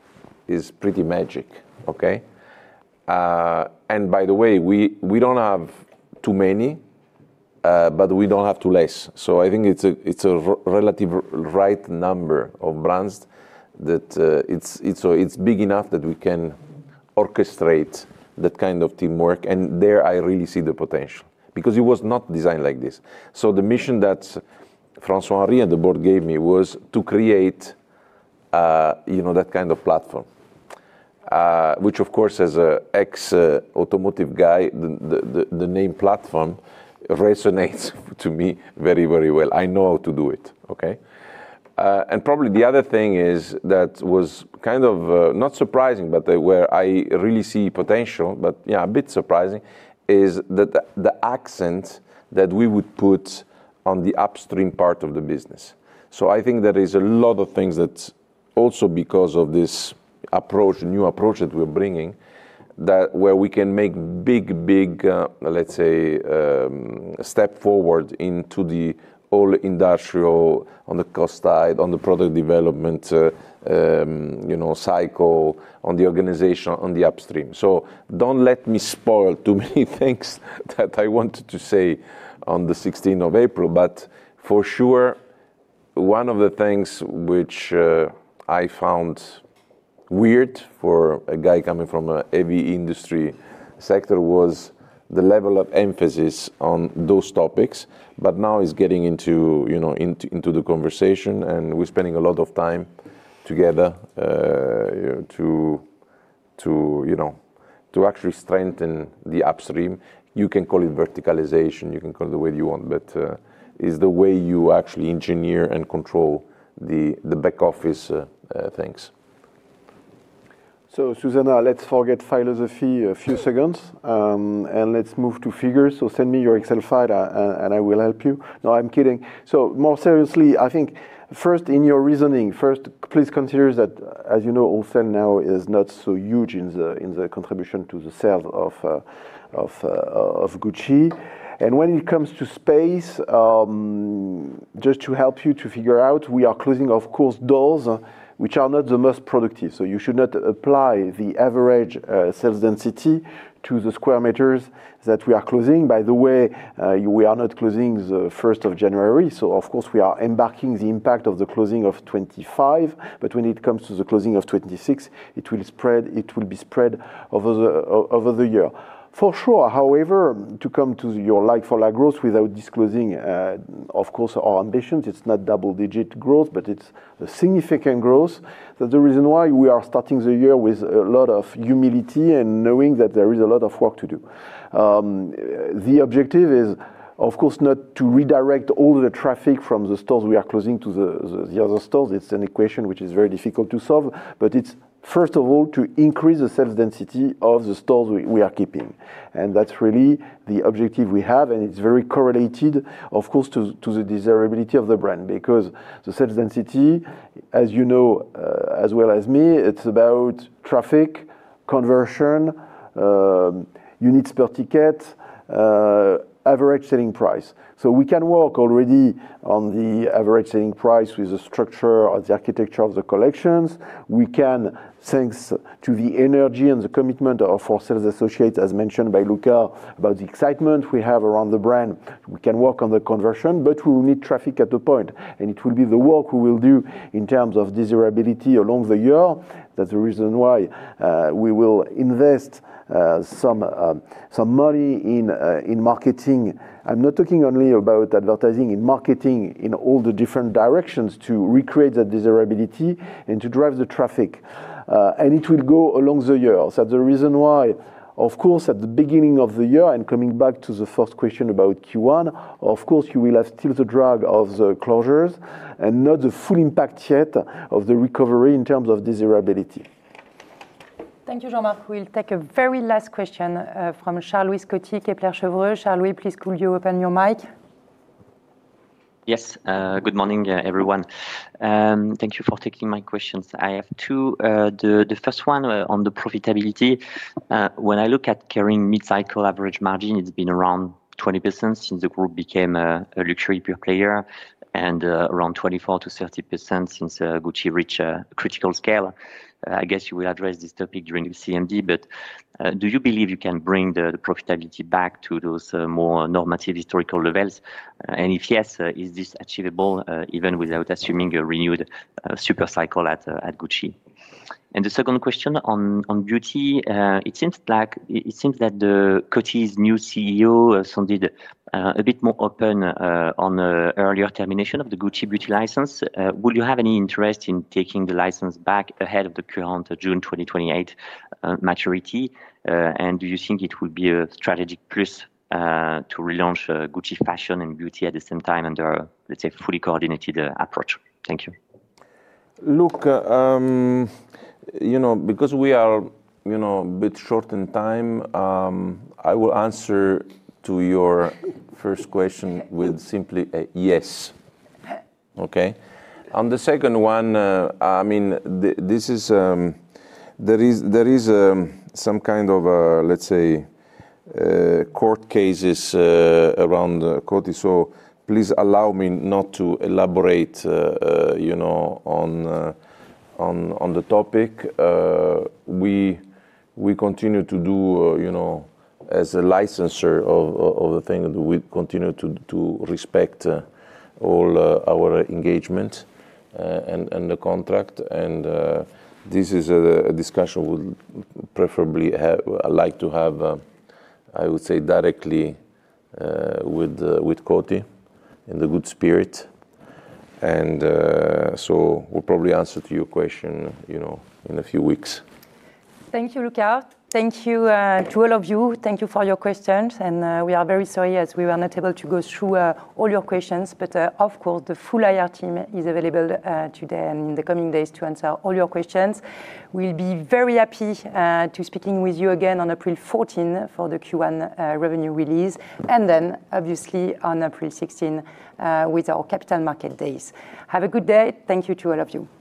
is pretty magic, okay? By the way, we don't have too many, but we don't have too less. So, I think it's a relatively right number of brands that it's big enough that we can orchestrate that kind of teamwork. And there, I really see the potential because it was not designed like this. So, the mission that François-Henri and the board gave me was to create that kind of platform, which, of course, as an ex-automotive guy, the name platform resonates to me very, very well. I know how to do it, okay? And probably the other thing is that was kind of not surprising, but where I really see potential, but yeah, a bit surprising, is the accent that we would put on the upstream part of the business. So, I think there are a lot of things that also because of this approach, new approach that we're bringing, where we can make big, big, let's say, steps forward into the whole industrial, on the cost side, on the product development cycle, on the organization, on the upstream. So, don't let me spoil too many things that I wanted to say on the 16th of April. But for sure, one of the things which I found weird for a guy coming from a heavy industry sector was the level of emphasis on those topics. But now, it's getting into the conversation. We're spending a lot of time together to actually strengthen the upstream. You can call it verticalization. You can call it the way you want. But it's the way you actually engineer and control the back-office things. So, Zuzanna, let's forget philosophy a few seconds. And let's move to figures. So, send me your Excel file, and I will help you. No, I'm kidding. So, more seriously, I think first, in your reasoning, first, please consider that, as you know, wholesale now is not so huge in the contribution to the sales of Gucci. And when it comes to space, just to help you to figure out, we are closing, of course, doors, which are not the most productive. So, you should not apply the average sales density to the square meters that we are closing. By the way, we are not closing the 1st of January. So, of course, we are embarking the impact of the closing of 2025. But when it comes to the closing of 2026, it will be spread over the year. For sure, however, to come to your like-for-like growth without disclosing, of course, our ambitions, it's not double-digit growth, but it's significant growth. That's the reason why we are starting the year with a lot of humility and knowing that there is a lot of work to do. The objective is, of course, not to redirect all the traffic from the stores we are closing to the other stores. It's an equation which is very difficult to solve. But it's, first of all, to increase the sales density of the stores we are keeping. And that's really the objective we have. And it's very correlated, of course, to the desirability of the brand. Because the sales density, as you know as well as me, it's about traffic, conversion, unit per ticket, average selling price. So, we can work already on the average selling price with the structure or the architecture of the collections. We can, thanks to the energy and the commitment of our sales associates, as mentioned by Luca about the excitement we have around the brand, work on the conversion. But we will need traffic at a point. And it will be the work we will do in terms of desirability along the year. That's the reason why we will invest some money in marketing. I'm not talking only about advertising. In marketing, in all the different directions to recreate that desirability and to drive the traffic. And it will go along the year. That's the reason why, of course, at the beginning of the year and coming back to the first question about Q1, of course, you will have still the drag of the closures and not the full impact yet of the recovery in terms of desirability. Thank you, Jean-Marc. We'll take a very last question from Charles-Louis Scotti at Kepler Cheuvreux. Charles-Louis, please, could you open your mic? Yes. Good morning, everyone. Thank you for taking my questions. I have two. The first one on the profitability. When I look at Kering mid-cycle average margin, it's been around 20% since the group became a luxury pure player and around 24%-30% since Gucci reached critical scale. I guess you will address this topic during CMD. But do you believe you can bring the profitability back to those more normative historical levels? And if yes, is this achievable even without assuming a renewed supercycle at Gucci? And the second question on beauty, it seems that the Coty's new CEO sounded a bit more open on earlier termination of the Gucci beauty license. Will you have any interest in taking the license back ahead of the current June 2028 maturity? Do you think it will be a strategic plus to relaunch Gucci fashion and beauty at the same time under a, let's say, fully coordinated approach? Thank you. Look, because we are a bit short in time, I will answer to your first question with simply a yes, okay? On the second one, I mean, there is some kind of, let's say, court cases around Coty. So, please allow me not to elaborate on the topic. We continue to do as a licenser of the thing. We continue to respect all our engagement and the contract. And this is a discussion we would preferably like to have, I would say, directly with Coty in the good spirit. And so, we'll probably answer to your question in a few weeks. Thank you, Luca. Thank you to all of you. Thank you for your questions. We are very sorry as we were not able to go through all your questions. Of course, the full IR team is available today and in the coming days to answer all your questions. We'll be very happy to speak with you again on April 14th for the Q1 revenue release. Then, obviously, on April 16th with our Capital Market Days. Have a good day. Thank you to all of you.